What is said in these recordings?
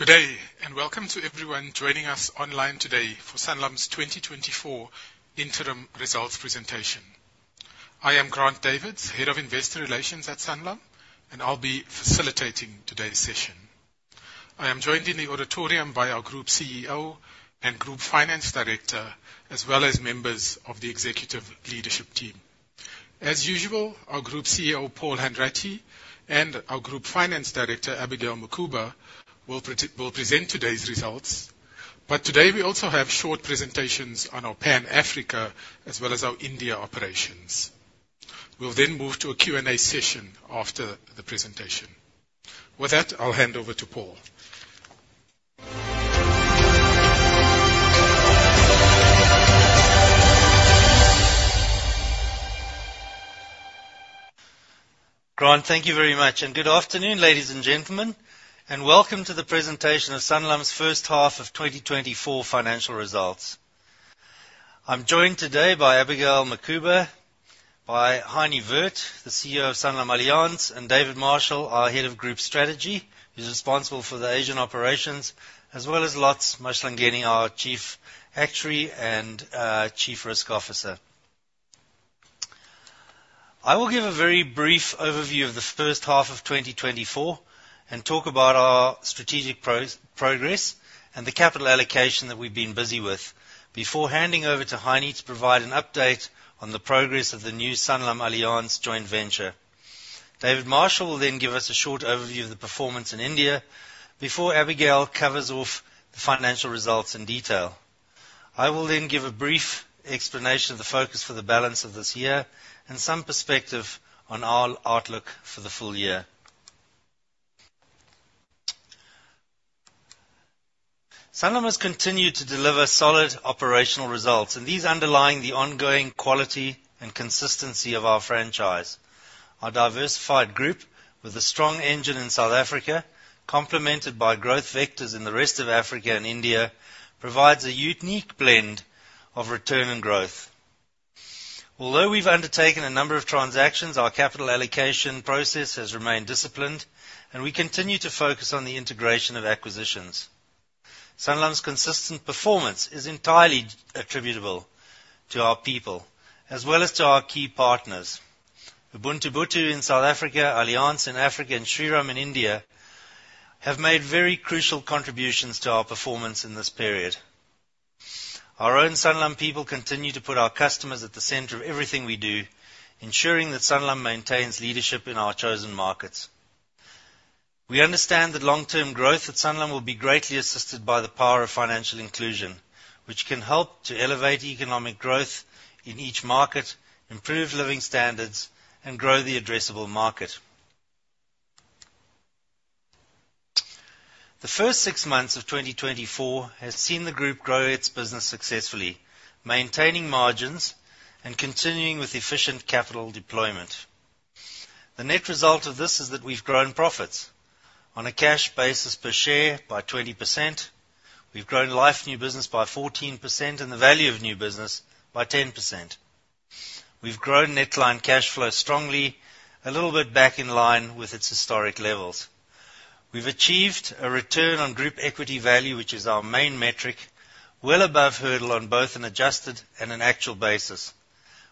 Good day, and welcome to everyone joining us online today for Sanlam's 2024 interim results presentation. I am Grant Davids, Head of Investor Relations at Sanlam, and I'll be facilitating today's session. I am joined in the auditorium by our Group CEO and Group Finance Director, as well as members of the executive leadership team. As usual, our Group CEO, Paul Hanratty, and our Group Finance Director, Abigail Mukhuba, will present today's results. But today, we also have short presentations on our Pan Africa as well as our India operations. We'll then move to a Q&A session after the presentation. With that, I'll hand over to Paul. Grant, thank you very much, and good afternoon, ladies and gentlemen, and welcome to the presentation of Sanlam's first half of 2024 financial results. I'm joined today by Abigail Mukhuba, by Heinie Werth, the CEO of SanlamAllianz, and David Marshall, our Head of Group Strategy, who's responsible for the Asian operations, as well as Lotz Mahlangeni, our Chief Actuary and Chief Risk Officer. I will give a very brief overview of the first half of 2024 and talk about our strategic progress and the capital allocation that we've been busy with before handing over to Heinie to provide an update on the progress of the new SanlamAllianz joint venture. David Marshall will then give us a short overview of the performance in India before Abigail covers off the financial results in detail. I will then give a brief explanation of the focus for the balance of this year and some perspective on our outlook for the full year. Sanlam has continued to deliver solid operational results, and these underline the ongoing quality and consistency of our franchise. Our diversified group, with a strong engine in South Africa, complemented by growth vectors in the rest of Africa and India, provides a unique blend of return and growth. Although we've undertaken a number of transactions, our capital allocation process has remained disciplined, and we continue to focus on the integration of acquisitions. Sanlam's consistent performance is entirely attributable to our people, as well as to our key partners. Ubuntu-Botho in South Africa, Allianz in Africa, and Shriram in India, have made very crucial contributions to our performance in this period. Our own Sanlam people continue to put our customers at the center of everything we do, ensuring that Sanlam maintains leadership in our chosen markets. We understand that long-term growth at Sanlam will be greatly assisted by the power of financial inclusion, which can help to elevate economic growth in each market, improve living standards, and grow the addressable market. The first six months of 2024 has seen the group grow its business successfully, maintaining margins and continuing with efficient capital deployment. The net result of this is that we've grown profits on a cash basis per share by 20%. We've grown life new business by 14% and the value of new business by 10%. We've grown net client cash flow strongly, a little bit back in line with its historic levels. We've achieved a return on Group Equity Value, which is our main metric, well above hurdle on both an adjusted and an actual basis,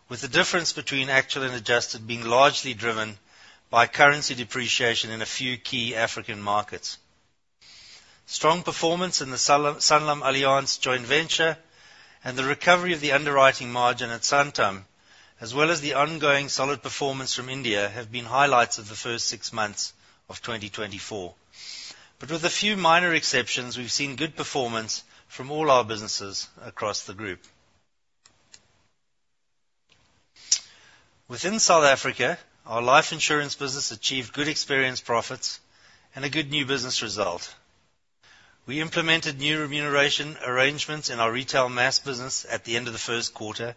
with the difference between actual and adjusted being largely driven by currency depreciation in a few key African markets. Strong performance in the SanlamAllianz joint venture and the recovery of the underwriting margin at Santam, as well as the ongoing solid performance from India, have been highlights of the first six months of 2024. But with a few minor exceptions, we've seen good performance from all our businesses across the group. Within South Africa, our life insurance business achieved good experience profits and a good new business result. We implemented new remuneration arrangements in our retail mass business at the end of the first quarter,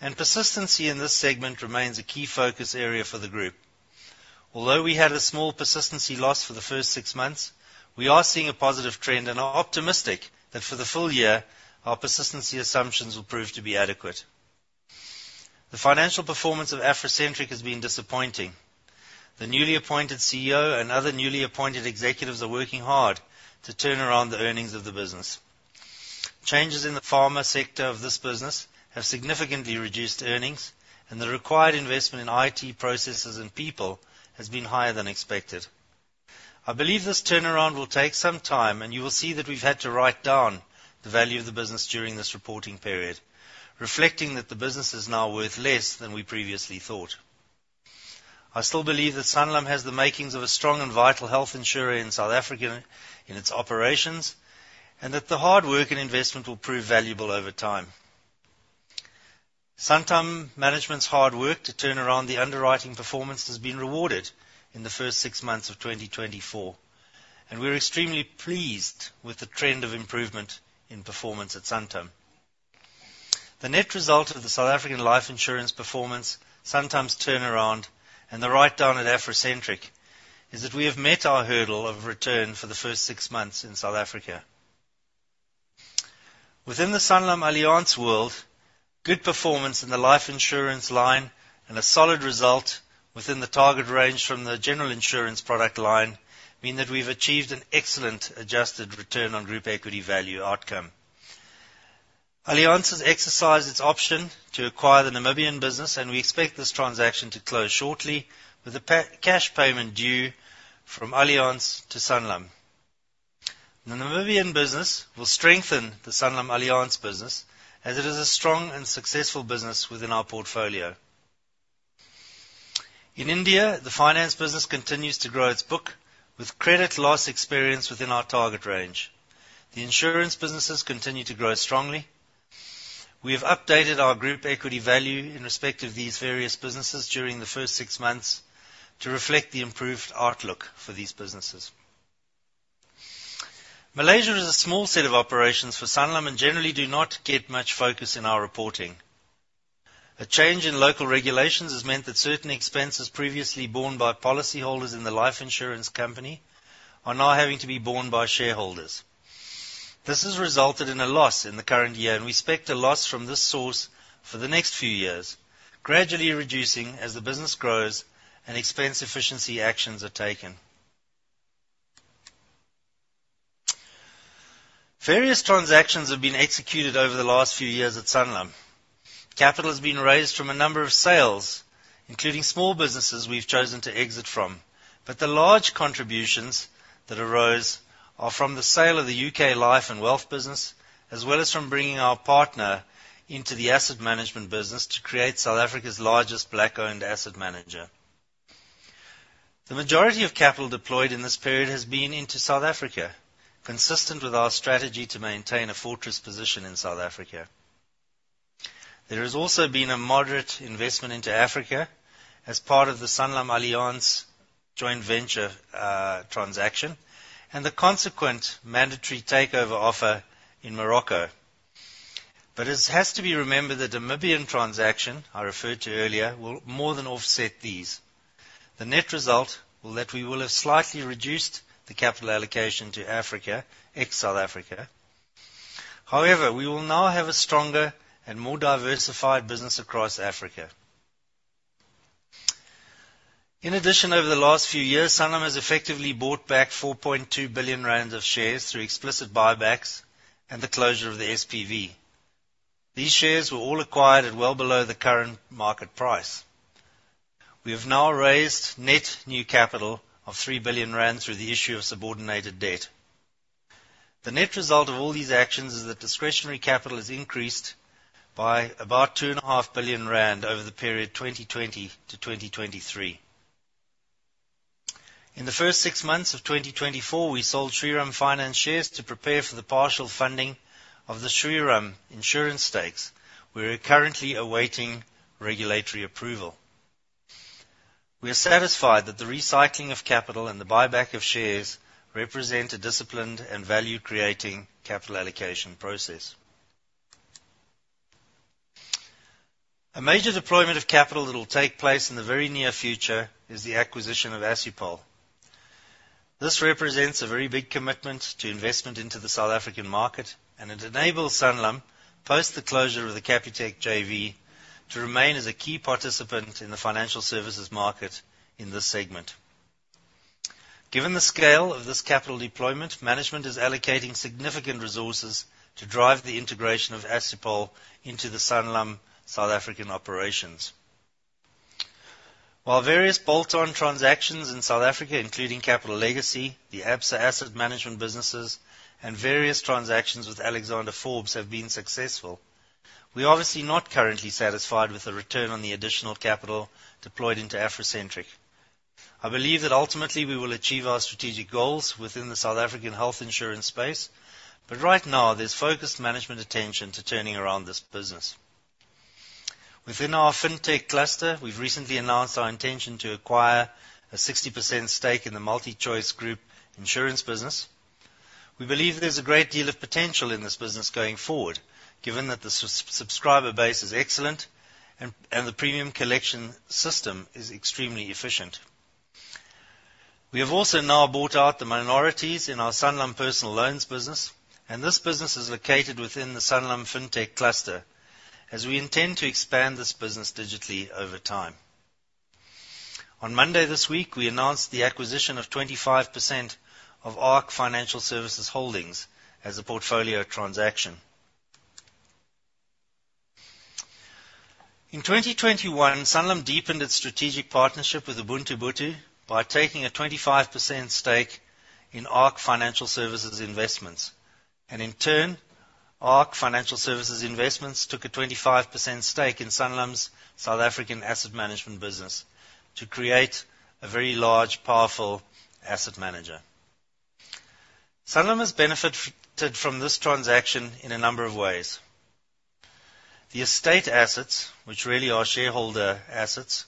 and persistency in this segment remains a key focus area for the group. Although we had a small persistency loss for the first six months, we are seeing a positive trend and are optimistic that for the full year, our persistency assumptions will prove to be adequate. The financial performance of AfroCentric has been disappointing. The newly appointed CEO and other newly appointed executives are working hard to turn around the earnings of the business. Changes in the pharma sector of this business have significantly reduced earnings, and the required investment in IT, processes, and people has been higher than expected. I believe this turnaround will take some time, and you will see that we've had to write down the value of the business during this reporting period, reflecting that the business is now worth less than we previously thought. I still believe that Sanlam has the makings of a strong and vital health insurer in South Africa in its operations, and that the hard work and investment will prove valuable over time. Santam management's hard work to turn around the underwriting performance has been rewarded in the first six months of 2024, and we're extremely pleased with the trend of improvement in performance at Santam. The net result of the South African life insurance performance, Santam's turnaround, and the write-down at AfroCentric, is that we have met our hurdle of return for the first six months in South Africa.... Within the SanlamAllianz world, good performance in the life insurance line and a solid result within the target range from the general insurance product line, mean that we've achieved an excellent adjusted return on Group Equity Value outcome. Allianz has exercised its option to acquire the Namibian business, and we expect this transaction to close shortly, with the payment cash due from Allianz to Sanlam. The Namibian business will strengthen the SanlamAllianz business, as it is a strong and successful business within our portfolio. In India, the finance business continues to grow its book, with credit loss experience within our target range. The insurance businesses continue to grow strongly. We have updated our Group Equity Value in respect of these various businesses during the first six months to reflect the improved outlook for these businesses. Malaysia is a small set of operations for Sanlam, and generally do not get much focus in our reporting. A change in local regulations has meant that certain expenses previously borne by policyholders in the life insurance company are now having to be borne by shareholders. This has resulted in a loss in the current year, and we expect a loss from this source for the next few years, gradually reducing as the business grows and expense efficiency actions are taken. Various transactions have been executed over the last few years at Sanlam. Capital has been raised from a number of sales, including small businesses we've chosen to exit from, but the large contributions that arose are from the sale of the U.K. life and wealth business, as well as from bringing our partner into the asset management business to create South Africa's largest Black-owned asset manager. The majority of capital deployed in this period has been into South Africa, consistent with our strategy to maintain a fortress position in South Africa. There has also been a moderate investment into Africa as part of the SanlamAllianz joint venture, transaction, and the consequent mandatory takeover offer in Morocco. But it has to be remembered, the Namibian transaction I referred to earlier, will more than offset these. The net result will that we will have slightly reduced the capital allocation to Africa, ex-South Africa. However, we will now have a stronger and more diversified business across Africa. In addition, over the last few years, Sanlam has effectively bought back 4.2 billion rand of shares through explicit buybacks and the closure of the SPV. These shares were all acquired at well below the current market price. We have now raised net new capital of 3 billion rand through the issue of subordinated debt. The net result of all these actions is that discretionary capital has increased by about 2.5 billion rand over the period 2020 to 2023. In the first six months of 2024, we sold Shriram Finance shares to prepare for the partial funding of the Shriram Insurance stakes. We are currently awaiting regulatory approval. We are satisfied that the recycling of capital and the buyback of shares represent a disciplined and value-creating capital allocation process. A major deployment of capital that will take place in the very near future is the acquisition of Assupol. This represents a very big commitment to investment into the South African market, and it enables Sanlam, post the closure of the Capitec JV, to remain as a key participant in the financial services market in this segment. Given the scale of this capital deployment, management is allocating significant resources to drive the integration of Assupol into the Sanlam South African operations. While various bolt-on transactions in South Africa, including Capital Legacy, the Absa Asset Management businesses, and various transactions with Alexander Forbes have been successful, we are obviously not currently satisfied with the return on the additional capital deployed into AfroCentric. I believe that ultimately we will achieve our strategic goals within the South African health insurance space, but right now, there's focused management attention to turning around this business. Within our Fintech cluster, we've recently announced our intention to acquire a 60% stake in the MultiChoice Group insurance business. We believe there's a great deal of potential in this business going forward, given that the subscriber base is excellent and the premium collection system is extremely efficient. We have also now bought out the minorities in our Sanlam Personal Loans business, and this business is located within the Sanlam Fintech cluster, as we intend to expand this business digitally over time. On Monday this week, we announced the acquisition of 25% of ARC Financial Services Holdings as a portfolio transaction. In 2021, Sanlam deepened its strategic partnership with Ubuntu-Botho by taking a 25% stake in ARC Financial Services Investments, and in turn, ARC Financial Services Investments took a 25% stake in Sanlam's South African asset management business to create a very large, powerful asset manager. Sanlam has benefited from this transaction in a number of ways. The estate assets, which really are shareholder assets,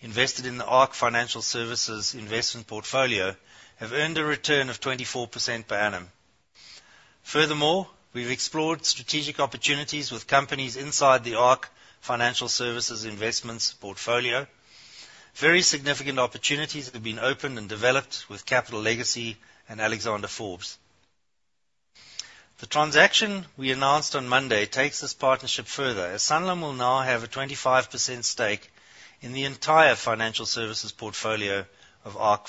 invested in the ARC Financial Services investment portfolio, have earned a return of 24% per annum. Furthermore, we've explored strategic opportunities with companies inside the ARC Financial Services Investments portfolio. Very significant opportunities have been opened and developed with Capital Legacy and Alexander Forbes. The transaction we announced on Monday takes this partnership further, as Sanlam will now have a 25% stake in the entire financial services portfolio of ARC.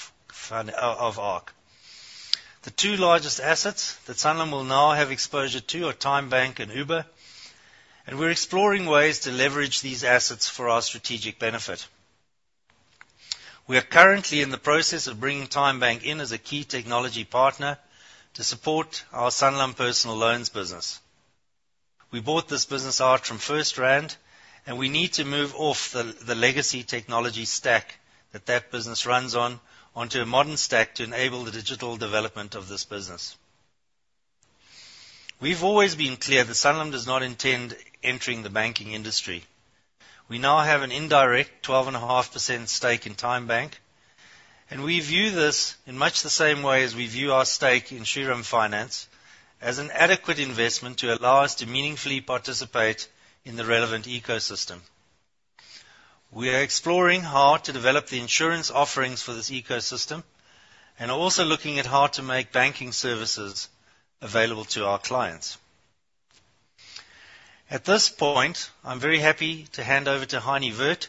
The two largest assets that Sanlam will now have exposure to are TymeBank and Uber, and we're exploring ways to leverage these assets for our strategic benefit. We are currently in the process of bringing TymeBank in as a key technology partner to support our Sanlam Personal Loans business. We bought this business out from FirstRand, and we need to move off the legacy technology stack that that business runs on, onto a modern stack to enable the digital development of this business. We've always been clear that Sanlam does not intend entering the banking industry. We now have an indirect 12.5% stake in TymeBank, and we view this in much the same way as we view our stake in Shriram Finance, as an adequate investment to allow us to meaningfully participate in the relevant ecosystem. We are exploring how to develop the insurance offerings for this ecosystem, and are also looking at how to make banking services available to our clients. At this point, I'm very happy to hand over to Heinie Werth,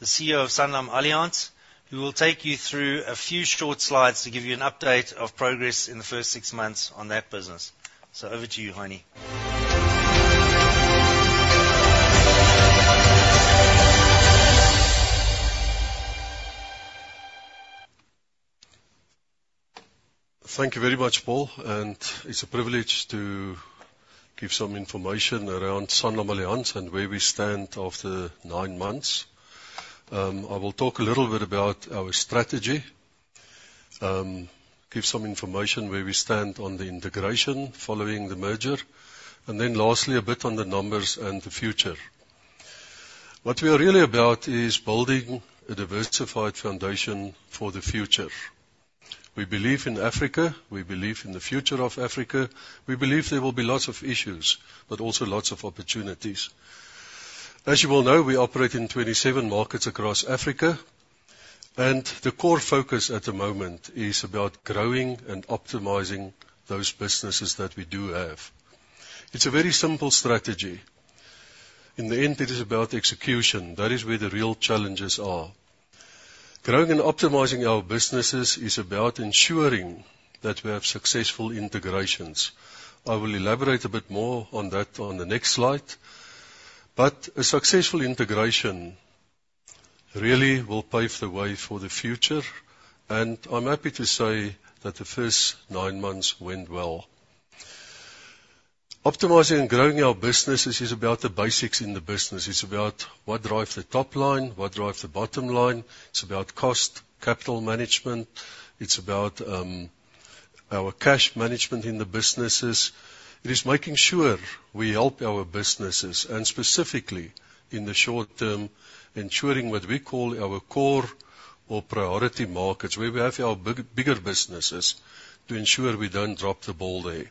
the CEO of SanlamAllianz, who will take you through a few short slides to give you an update of progress in the first six months on that business. So over to you, Heinie. Thank you very much, Paul, and it's a privilege to give some information around SanlamAllianz and where we stand after nine months. I will talk a little bit about our strategy, give some information where we stand on the integration following the merger, and then lastly, a bit on the numbers and the future. What we are really about is building a diversified foundation for the future. We believe in Africa. We believe in the future of Africa. We believe there will be lots of issues, but also lots of opportunities. As you well know, we operate in 27 markets across Africa, and the core focus at the moment is about growing and optimizing those businesses that we do have. It's a very simple strategy. In the end, it is about execution. That is where the real challenges are. Growing and optimizing our businesses is about ensuring that we have successful integrations. I will elaborate a bit more on that on the next slide, but a successful integration really will pave the way for the future, and I'm happy to say that the first nine months went well. Optimizing and growing our businesses is about the basics in the business. It's about what drives the top line, what drives the bottom line. It's about cost, capital management. It's about, our cash management in the businesses. It is making sure we help our businesses, and specifically, in the short term, ensuring what we call our core or priority markets, where we have our big, bigger businesses, to ensure we don't drop the ball there.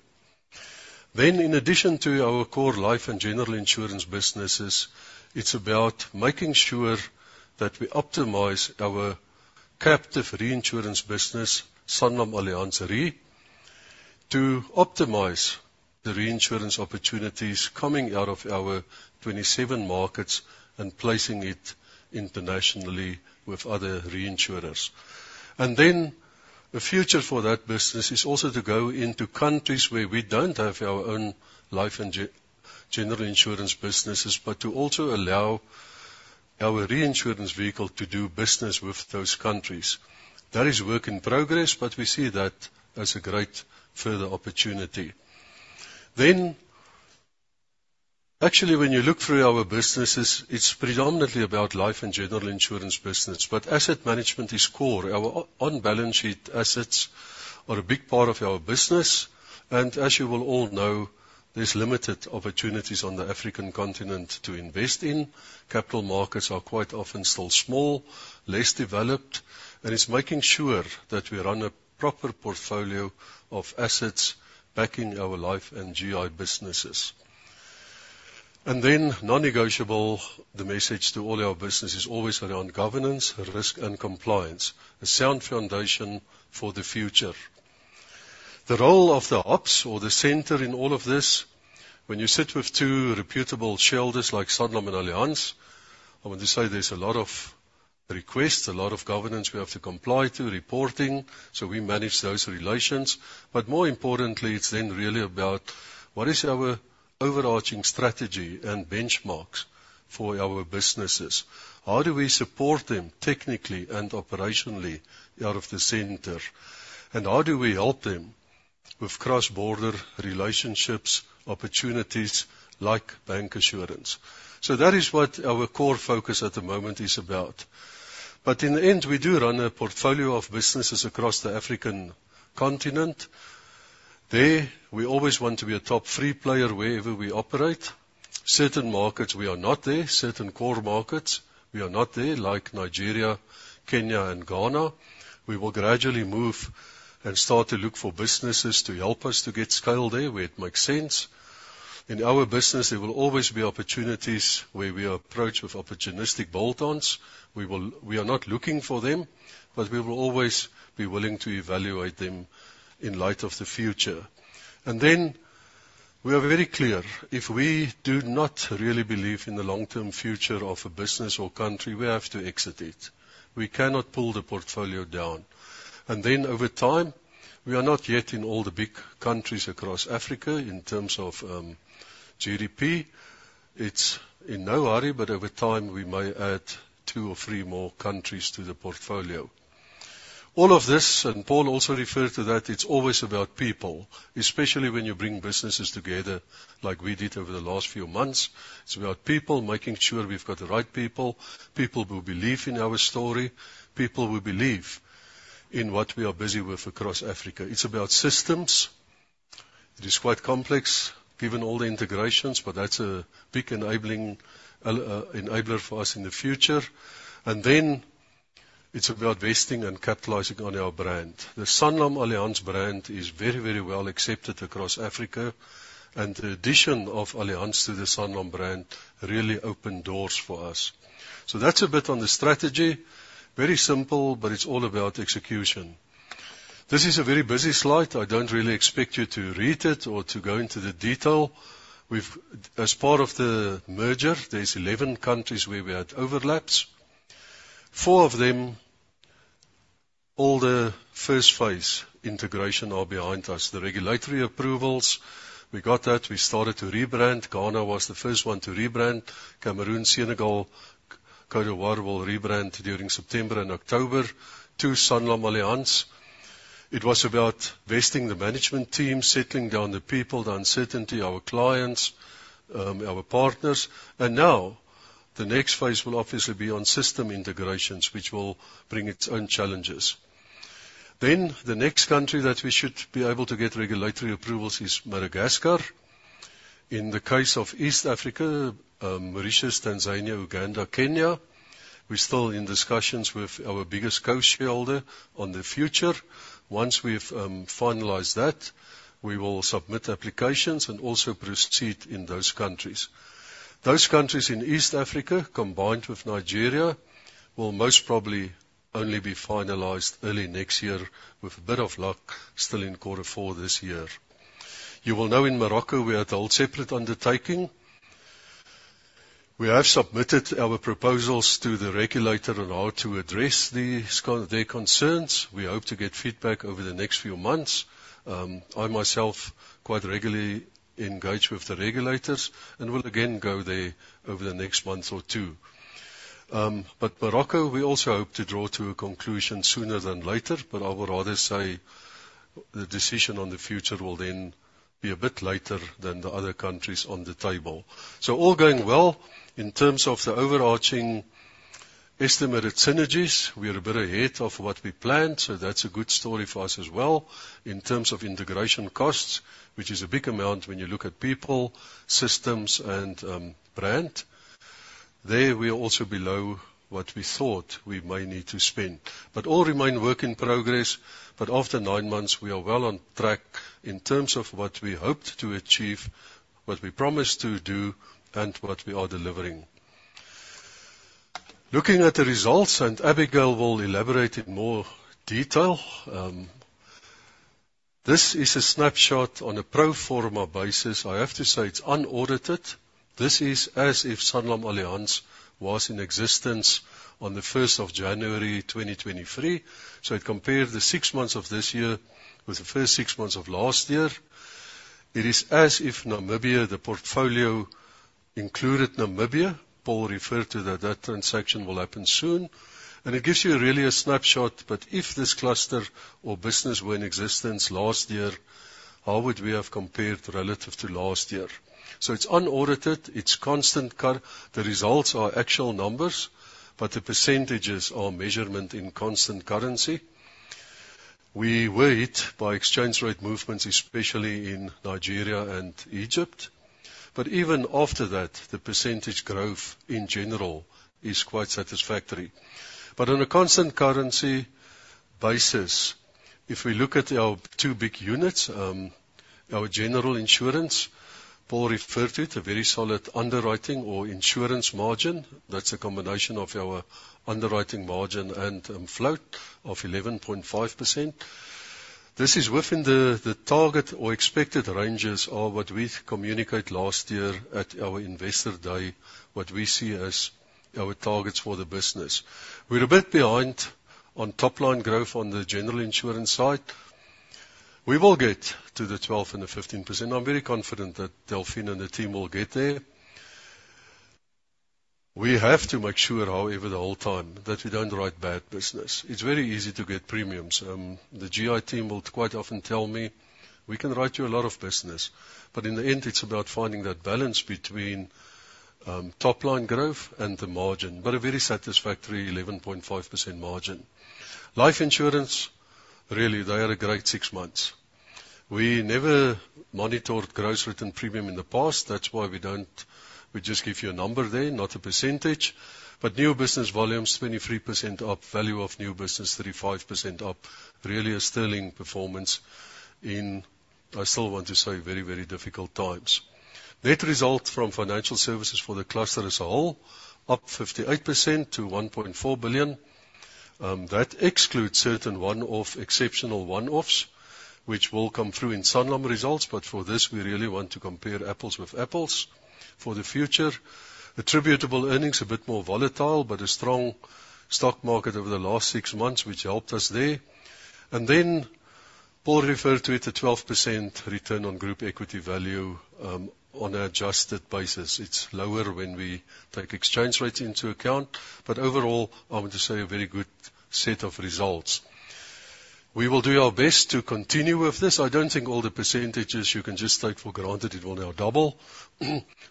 Then, in addition to our core life and general insurance businesses, it's about making sure that we optimize our captive reinsurance business, Sanlam Allianz Re, to optimize the reinsurance opportunities coming out of our 27 markets and placing it internationally with other reinsurers. And then, the future for that business is also to go into countries where we don't have our own life and general insurance businesses, but to also allow our reinsurance vehicle to do business with those countries. That is work in progress, but we see that as a great further opportunity. Then... Actually, when you look through our businesses, it's predominantly about life and general insurance business, but asset management is core. Our on-balance sheet assets are a big part of our business, and as you well all know, there's limited opportunities on the African continent to invest in. Capital markets are quite often still small, less developed, and it's making sure that we run a proper portfolio of assets backing our life and GI businesses. And then, non-negotiable, the message to all our businesses, always around governance, risk, and compliance, a sound foundation for the future. The role of the ops or the center in all of this, when you sit with two reputable shareholders, like Sanlam and Allianz, I want to say there's a lot of requests, a lot of governance we have to comply to, reporting. So we manage those relations, but more importantly, it's then really about what is our overarching strategy and benchmarks for our businesses? How do we support them technically and operationally out of the center? And how do we help them with cross-border relationships, opportunities like bancassurance? So that is what our core focus at the moment is about. But in the end, we do run a portfolio of businesses across the African continent. There, we always want to be a top three player wherever we operate. Certain markets, we are not there. Certain core markets, we are not there, like Nigeria, Kenya, and Ghana. We will gradually move and start to look for businesses to help us to get scale there, where it makes sense. In our business, there will always be opportunities where we are approached with opportunistic bolt-ons. We are not looking for them, but we will always be willing to evaluate them in light of the future. And then we are very clear. If we do not really believe in the long-term future of a business or country, we have to exit it. We cannot pull the portfolio down. And then over time, we are not yet in all the big countries across Africa in terms of GDP. It's in no hurry, but over time, we may add two or three more countries to the portfolio. All of this, and Paul also referred to that, it's always about people, especially when you bring businesses together like we did over the last few months. It's about people, making sure we've got the right people, people who believe in our story, people who believe in what we are busy with across Africa. It's about systems. It is quite complex, given all the integrations, but that's a big enabler for us in the future. And then it's about investing and capitalizing on our brand. The SanlamAllianz brand is very, very well accepted across Africa, and the addition of Allianz to the Sanlam brand really opened doors for us. So that's a bit on the strategy. Very simple, but it's all about execution. This is a very busy slide. I don't really expect you to read it or to go into the detail. As part of the merger, there's 11 countries where we had overlaps. Four of them, all the first phase integration are behind us. The regulatory approvals, we got that. We started to rebrand. Ghana was the first one to rebrand. Cameroon, Senegal, Côte d'Ivoire, will rebrand during September and October to SanlamAllianz. It was about vesting the management team, settling down the people, the uncertainty, our clients, our partners. And now, the next phase will obviously be on system integrations, which will bring its own challenges. Then, the next country that we should be able to get regulatory approvals is Madagascar. In the case of East Africa, Mauritius, Tanzania, Uganda, Kenya, we're still in discussions with our biggest co-shareholder on the future. Once we've finalized that, we will submit applications and also proceed in those countries. Those countries in East Africa, combined with Nigeria, will most probably only be finalized early next year, with a bit of luck, still in quarter four this year. You will know in Morocco, we had a whole separate undertaking. We have submitted our proposals to the regulator on how to address these, their concerns. We hope to get feedback over the next few months. I myself quite regularly engage with the regulators and will again go there over the next month or two. But Morocco, we also hope to draw to a conclusion sooner than later, but I would rather say the decision on the future will then be a bit later than the other countries on the table. So all going well, in terms of the overarching estimated synergies, we are a bit ahead of what we planned, so that's a good story for us as well. In terms of integration costs, which is a big amount when you look at people, systems, and brand, there we are also below what we thought we may need to spend. But all remain work in progress, but after nine months, we are well on track in terms of what we hoped to achieve, what we promised to do, and what we are delivering. Looking at the results, and Abigail will elaborate in more detail. This is a snapshot on a pro forma basis. I have to say it's unaudited. This is as if SanlamAllianz was in existence on the January 1st, 2023. So it compared the six months of this year with the first six months of last year. It is as if Namibia, the portfolio, included Namibia. Paul referred to that. That transaction will happen soon, and it gives you really a snapshot, but if this cluster or business were in existence last year, how would we have compared relative to last year? So it's unaudited, it's constant currency. The results are actual numbers, but the percentages are measured in constant currency. We were hit by exchange rate movements, especially in Nigeria and Egypt, but even after that, the percentage growth, in general, is quite satisfactory. But on a constant currency basis, if we look at our two big units, our general insurance, Paul referred to it, a very solid underwriting or insurance margin. That's a combination of our underwriting margin and float of 11.5%. This is within the target or expected ranges of what we communicate last year at our investor day, what we see as our targets for the business. We're a bit behind on top line growth on the general insurance side. We will get to the 12% and the 15%. I'm very confident that Delphine and the team will get there. We have to make sure, however, the whole time, that we don't write bad business. It's very easy to get premiums. The GI team will quite often tell me, we can write you a lot of business, but in the end, it's about finding that balance between top-line growth and the margin. But a very satisfactory 11.5% margin. Life insurance, really, they had a great six months. We never monitored gross written premium in the past. That's why we don't. We just give you a number there, not a percentage. But new business volumes, 23% up. Value of New Business, 35% up. Really, a sterling performance in, I still want to say, very, very difficult times. Net Result from Financial Services for the cluster as a whole, up 58% to 1.4 billion. That excludes certain one-off, exceptional one-offs, which will come through in Sanlam results, but for this, we really want to compare apples with apples. For the future, attributable earnings, a bit more volatile, but a strong stock market over the last six months, which helped us there. And then Paul referred to it, a 12% return on Group Equity Value, on an adjusted basis. It's lower when we take exchange rates into account. But overall, I want to say, a very good set of results. We will do our best to continue with this. I don't think all the percentages you can just take for granted, it will now double.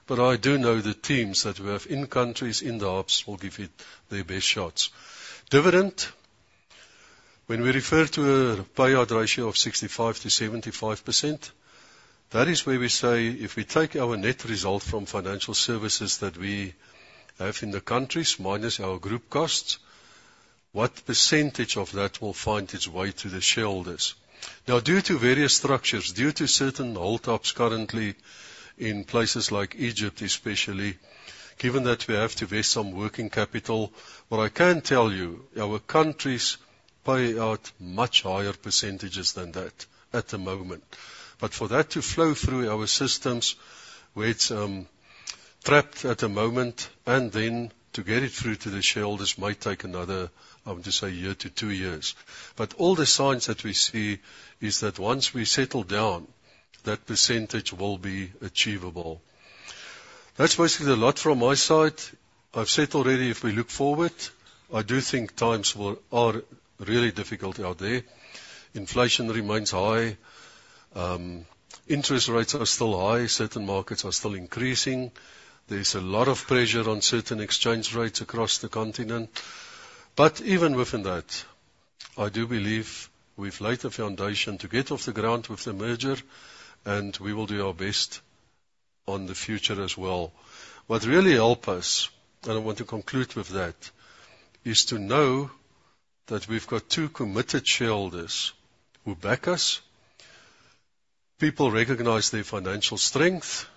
But I do know the teams that we have in countries, in the hubs, will give it their best shots. Dividend, when we refer to a payout ratio of 65%-75%, that is where we say, if we take our net result from financial services that we have in the countries, minus our group costs, what percentage of that will find its way to the shareholders? Now, due to various structures, due to certain hold ups currently in places like Egypt, especially, given that we have to vest some working capital. What I can tell you, our countries pay out much higher percentages than that at the moment. But for that to flow through our systems, where it's trapped at the moment, and then to get it through to the shareholders, might take another, I want to say, year to two years. But all the signs that we see is that once we settle down, that percentage will be achievable. That's basically a lot from my side. I've said already, if we look forward, I do think times are really difficult out there. Inflation remains high. Interest rates are still high. Certain markets are still increasing. There's a lot of pressure on certain exchange rates across the continent. But even within that, I do believe we've laid a foundation to get off the ground with the merger, and we will do our best on the future as well. What really help us, and I want to conclude with that, is to know that we've got two committed shareholders who back us. People recognize their financial strength,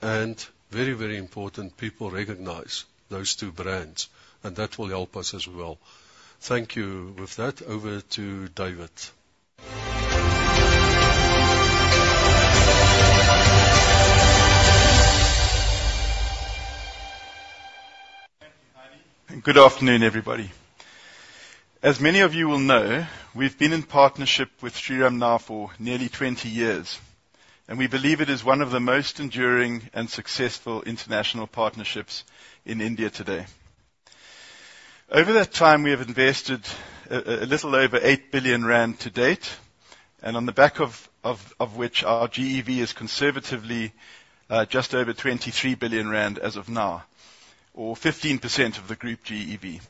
and very, very important, people recognize those two brands, and that will help us as well. Thank you. With that, over to David. Thank you, Heinie. Good afternoon, everybody. As many of you will know, we've been in partnership with Shriram now for nearly 20 years, and we believe it is one of the most enduring and successful international partnerships in India today. Over that time, we have invested a little over 8 billion rand to date, and on the back of which our GEV is conservatively just over 23 billion rand as of now, or 15% of the group GEV.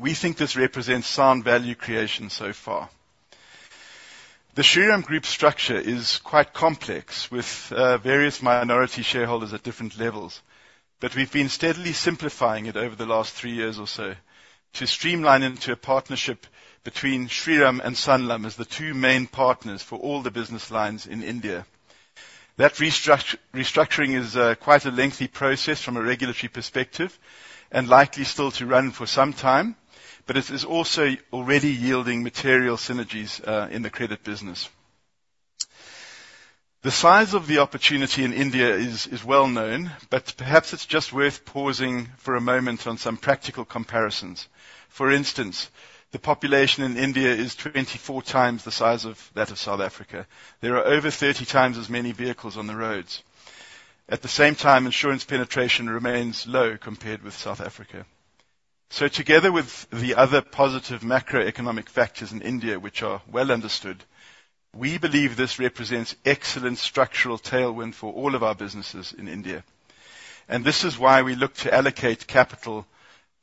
We think this represents sound value creation so far. The Shriram Group structure is quite complex, with various minority shareholders at different levels, but we've been steadily simplifying it over the last three years or so to streamline into a partnership between Shriram and Sanlam as the two main partners for all the business lines in India. That restructuring is quite a lengthy process from a regulatory perspective and likely still to run for some time, but it is also already yielding material synergies in the credit business. The size of the opportunity in India is well known, but perhaps it's just worth pausing for a moment on some practical comparisons. For instance, the population in India is 24x the size of that of South Africa. There are over 30x as many vehicles on the roads. At the same time, insurance penetration remains low compared with South Africa. So together with the other positive macroeconomic factors in India, which are well understood, we believe this represents excellent structural tailwind for all of our businesses in India, and this is why we look to allocate capital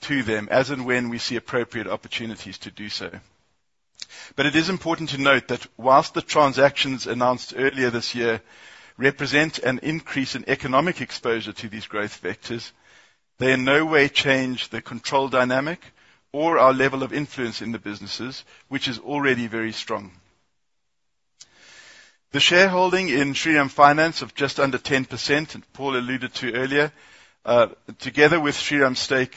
to them as and when we see appropriate opportunities to do so. But it is important to note that while the transactions announced earlier this year represent an increase in economic exposure to these growth vectors, they in no way change the control dynamic or our level of influence in the businesses, which is already very strong. The shareholding in Shriram Finance of just under 10%, Paul alluded to earlier, together with Shriram's stake,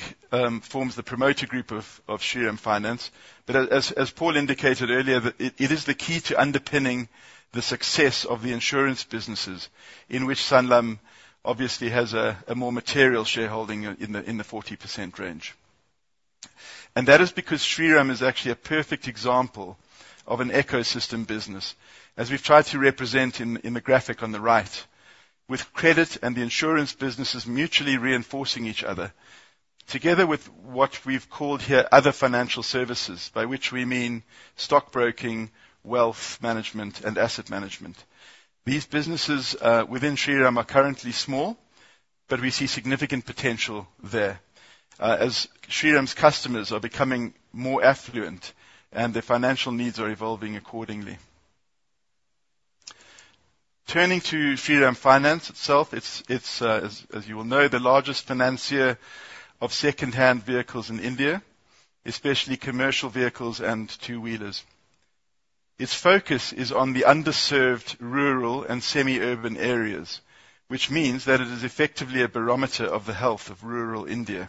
forms the promoter group of Shriram Finance. But as Paul indicated earlier, it is the key to underpinning the success of the insurance businesses in which Sanlam obviously has a more material shareholding in the 40% range. And that is because Shriram is actually a perfect example of an ecosystem business, as we've tried to represent in the graphic on the right. With credit and the insurance businesses mutually reinforcing each other, together with what we've called here, other financial services, by which we mean stockbroking, wealth management, and asset management. These businesses within Shriram are currently small, but we see significant potential there, as Shriram's customers are becoming more affluent and their financial needs are evolving accordingly... Turning to Shriram Finance itself, it's as you well know, the largest financier of secondhand vehicles in India, especially commercial vehicles and two-wheelers. Its focus is on the underserved rural and semi-urban areas, which means that it is effectively a barometer of the health of rural India.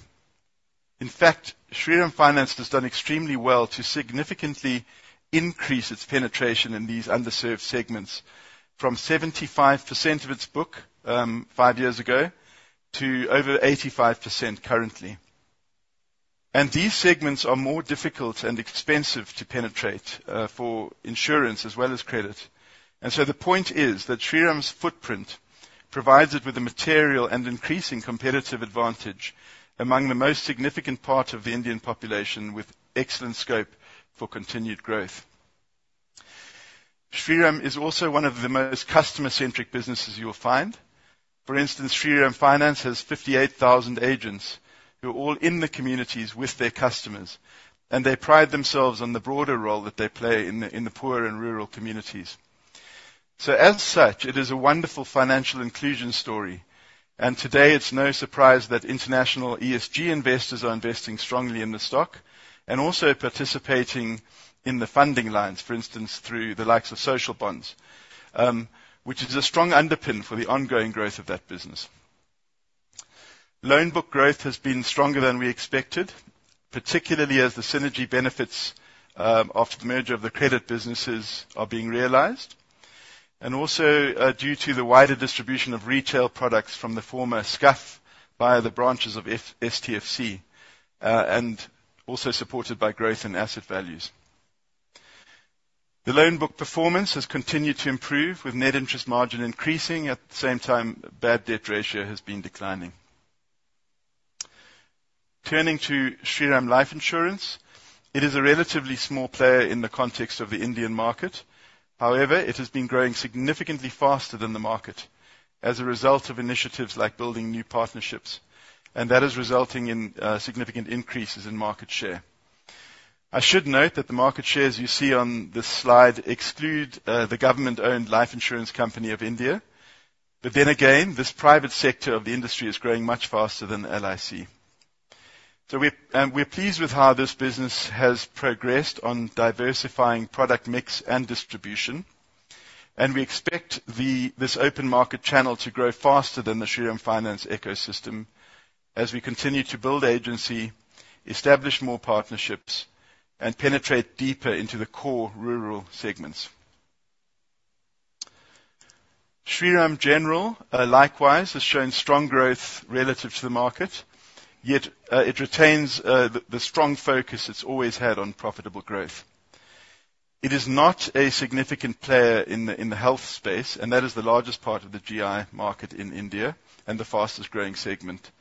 In fact, Shriram Finance has done extremely well to significantly increase its penetration in these underserved segments, from 75% of its book five years ago, to over 85% currently. And these segments are more difficult and expensive to penetrate for insurance as well as credit. And so the point is that Shriram's footprint provides it with a material and increasing competitive advantage among the most significant part of the Indian population, with excellent scope for continued growth. Shriram is also one of the most customer-centric businesses you will find. For instance, Shriram Finance has 58,000 agents who are all in the communities with their customers, and they pride themselves on the broader role that they play in the poorer and rural communities. So as such, it is a wonderful financial inclusion story, and today it's no surprise that international ESG investors are investing strongly in the stock, and also participating in the funding lines, for instance, through the likes of social bonds, which is a strong underpin for the ongoing growth of that business. Loan book growth has been stronger than we expected, particularly as the synergy benefits after the merger of the credit businesses are being realized, and also due to the wider distribution of retail products from the former SCUF via the branches of STFC, and also supported by growth in asset values. The loan book performance has continued to improve, with net interest margin increasing. At the same time, bad debt ratio has been declining. Turning to Shriram Life Insurance, it is a relatively small player in the context of the Indian market. However, it has been growing significantly faster than the market as a result of initiatives like building new partnerships, and that is resulting in significant increases in market share. I should note that the market shares you see on this slide exclude the government-owned life insurance company of India, but then again, this private sector of the industry is growing much faster than LIC. So we're pleased with how this business has progressed on diversifying product mix and distribution, and we expect this open market channel to grow faster than the Shriram Finance ecosystem as we continue to build agency, establish more partnerships, and penetrate deeper into the core rural segments. Shriram General likewise has shown strong growth relative to the market, yet it retains the strong focus it's always had on profitable growth. It is not a significant player in the health space, and that is the largest part of the GI market in India, and the fastest growing segment.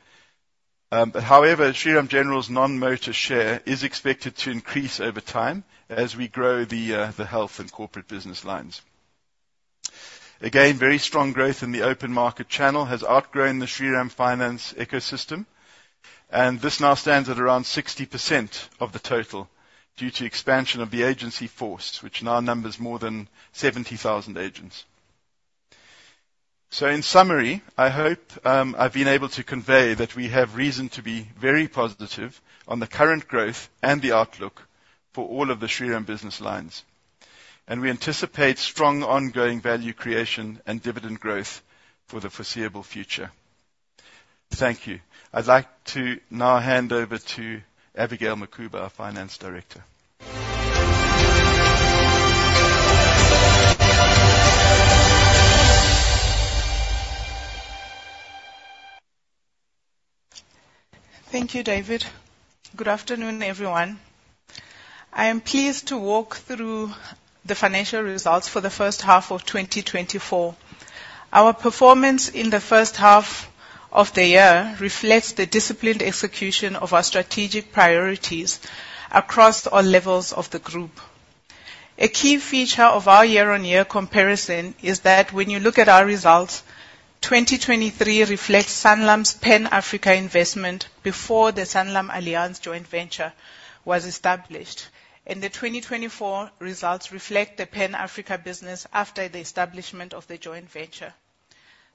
But however, Shriram General's non-motor share is expected to increase over time as we grow the the health and corporate business lines. Again, very strong growth in the open market channel has outgrown the Shriram Finance ecosystem, and this now stands at around 60% of the total, due to expansion of the agency force, which now numbers more than 70,000 agents. So in summary, I hope I've been able to convey that we have reason to be very positive on the current growth and the outlook for all of the Shriram business lines. And we anticipate strong, ongoing value creation and dividend growth for the foreseeable future. Thank you. I'd like to now hand over to Abigail Mukhuba, our Finance Director. Thank you, David. Good afternoon, everyone. I am pleased to walk through the financial results for the first half of 2024. Our performance in the first half of the year reflects the disciplined execution of our strategic priorities across all levels of the group. A key feature of our year-on-year comparison is that when you look at our results, 2023 reflects Sanlam's Pan-Africa investment before the SanlamAllianz joint venture was established, and the 2024 results reflect the Pan-Africa business after the establishment of the joint venture.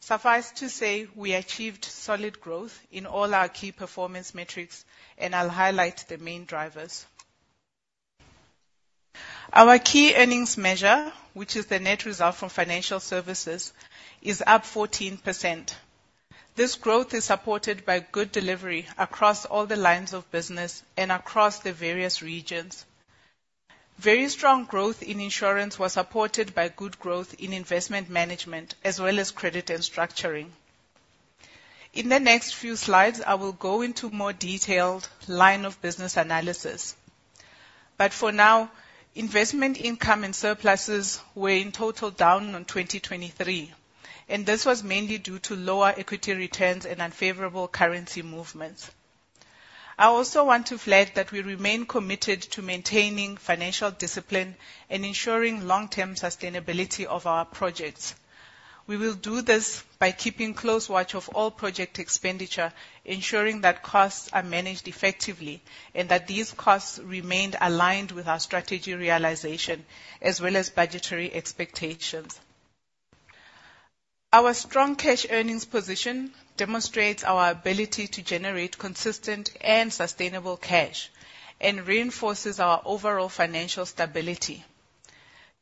Suffice to say, we achieved solid growth in all our key performance metrics, and I'll highlight the main drivers. Our key earnings measure, which is the net result from financial services, is up 14%. This growth is supported by good delivery across all the lines of business and across the various regions. Very strong growth in insurance was supported by good growth in investment management, as well as credit and structuring. In the next few slides, I will go into more detailed line of business analysis. But for now, investment income and surpluses were, in total, down on 2023, and this was mainly due to lower equity returns and unfavorable currency movements. I also want to flag that we remain committed to maintaining financial discipline and ensuring long-term sustainability of our projects. We will do this by keeping close watch of all project expenditure, ensuring that costs are managed effectively, and that these costs remained aligned with our strategy realization as well as budgetary expectations. Our strong cash earnings position demonstrates our ability to generate consistent and sustainable cash, and reinforces our overall financial stability.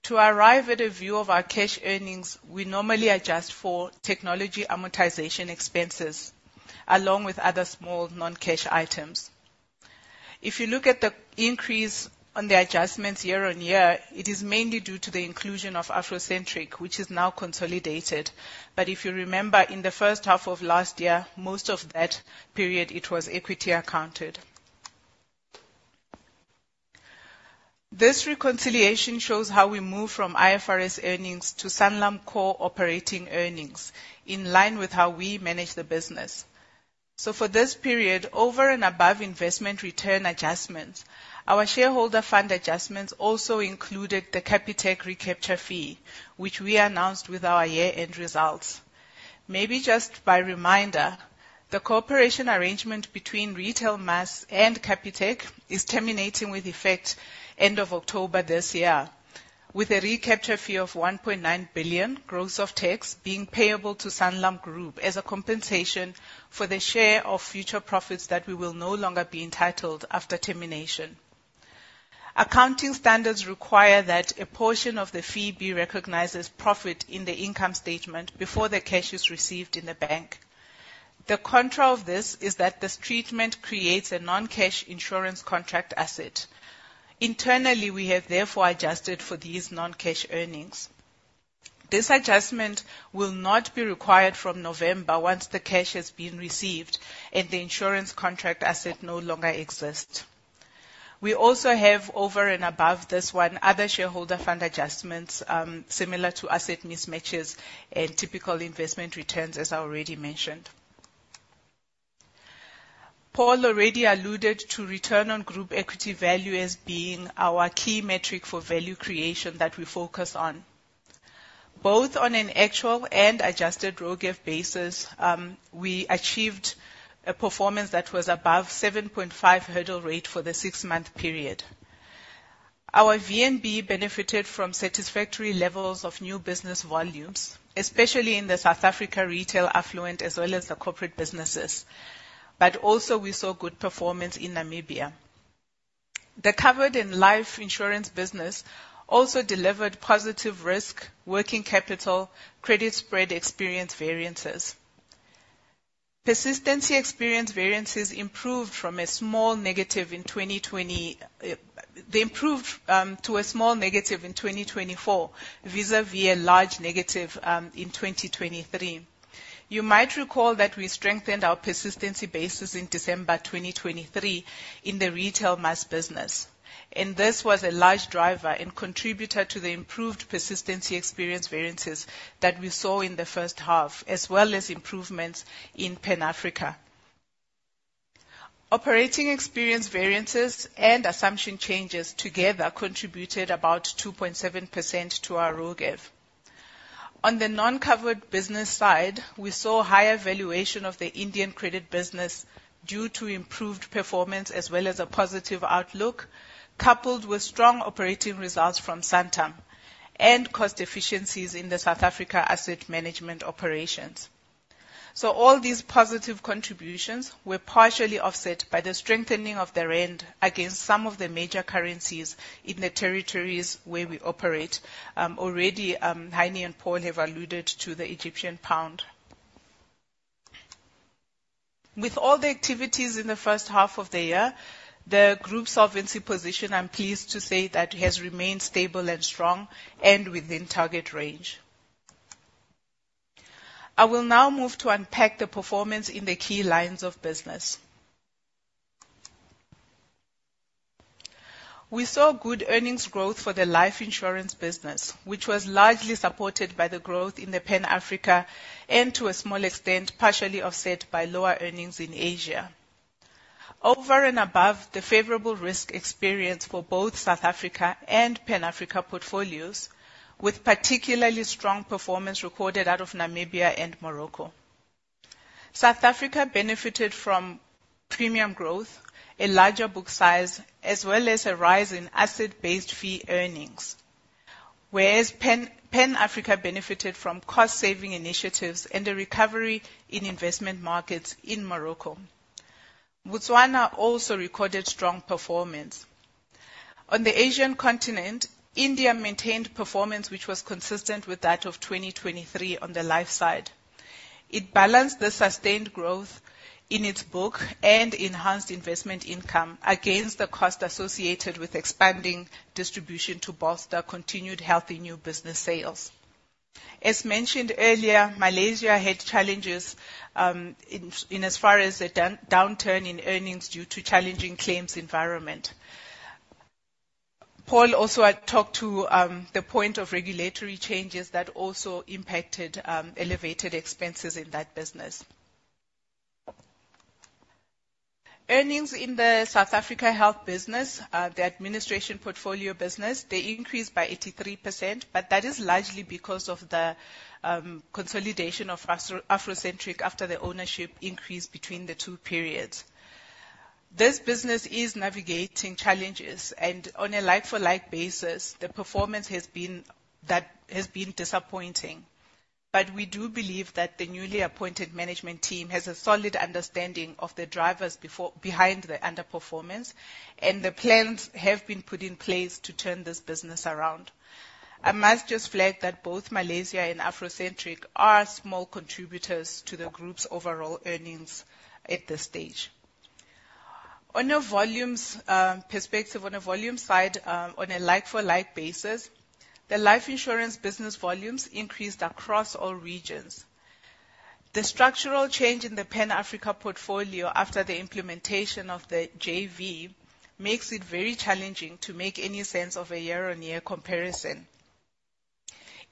To arrive at a view of our cash earnings, we normally adjust for technology amortization expenses, along with other small non-cash items. If you look at the increase on the adjustments year-on-year, it is mainly due to the inclusion of AfroCentric, which is now consolidated. But if you remember, in the first half of last year, most of that period, it was equity accounted. This reconciliation shows how we move from IFRS earnings to Sanlam core operating earnings, in line with how we manage the business. So for this period, over and above investment return adjustments, our shareholder fund adjustments also included the Capitec recapture fee, which we announced with our year-end results. Maybe just by reminder, the cooperation arrangement between Retail Mass and Capitec is terminating with effect end of October this year, with a recapture fee of 1.9 billion gross of tax being payable to Sanlam Group as a compensation for the share of future profits that we will no longer be entitled after termination. Accounting standards require that a portion of the fee be recognized as profit in the income statement before the cash is received in the bank. The contra of this is that this treatment creates a non-cash insurance contract asset. Internally, we have therefore adjusted for these non-cash earnings. This adjustment will not be required from November once the cash has been received and the insurance contract asset no longer exists. We also have, over and above this one, other shareholder fund adjustments, similar to asset mismatches and typical investment returns, as I already mentioned. Paul already alluded to return on group equity value as being our key metric for value creation that we focus on. Both on an actual and adjusted RoGEV basis, we achieved a performance that was above seven point five hurdle rate for the six-month period. Our VNB benefited from satisfactory levels of new business volumes, especially in the South Africa retail affluent, as well as the corporate businesses, but also we saw good performance in Namibia. The Covéa and life insurance business also delivered positive risk, working capital, credit spread experience variances. Persistency experience variances improved from a small negative in 2020 to a small negative in 2024, vis-a-vis a large negative in 2023. You might recall that we strengthened our persistency basis in December 2023, in the Retail Mass business, and this was a large driver and contributor to the improved persistency experience variances that we saw in the first half, as well as improvements in Pan Africa. Operating experience variances and assumption changes together contributed about 2.7% to our ROGEV. On the non-covered business side, we saw higher valuation of the Indian credit business due to improved performance as well as a positive outlook, coupled with strong operating results from Santam and cost efficiencies in the South Africa asset management operations. So all these positive contributions were partially offset by the strengthening of the rand against some of the major currencies in the territories where we operate. Already, Heinie and Paul have alluded to the Egyptian pound. With all the activities in the first half of the year, the group solvency position, I'm pleased to say, that has remained stable and strong and within target range. I will now move to unpack the performance in the key lines of business. We saw good earnings growth for the life insurance business, which was largely supported by the growth in the Pan Africa, and to a small extent, partially offset by lower earnings in Asia. Over and above, the favorable risk experience for both South Africa and Pan Africa portfolios, with particularly strong performance recorded out of Namibia and Morocco. South Africa benefited from premium growth, a larger book size, as well as a rise in asset-based fee earnings. Whereas Pan Africa benefited from cost-saving initiatives and a recovery in investment markets in Morocco. Botswana also recorded strong performance. On the Asian continent, India maintained performance, which was consistent with that of 2023 on the life side. It balanced the sustained growth in its book and enhanced investment income against the cost associated with expanding distribution to bolster continued healthy new business sales. As mentioned earlier, Malaysia had challenges, in as far as a downturn in earnings due to challenging claims environment. Paul also had talked to the point of regulatory changes that also impacted elevated expenses in that business. Earnings in the South Africa health business, the administration portfolio business, they increased by 83%, but that is largely because of the consolidation of AfroCentric after the ownership increase between the two periods. This business is navigating challenges, and on a like-for-like basis, the performance has been, that has been disappointing. But we do believe that the newly appointed management team has a solid understanding of the drivers behind the underperformance, and the plans have been put in place to turn this business around. I must just flag that both Malaysia and AfroCentric are small contributors to the group's overall earnings at this stage. On a volumes perspective, on a volume side, on a like-for-like basis, the life insurance business volumes increased across all regions. The structural change in the Pan Africa portfolio after the implementation of the JV makes it very challenging to make any sense of a year-on-year comparison.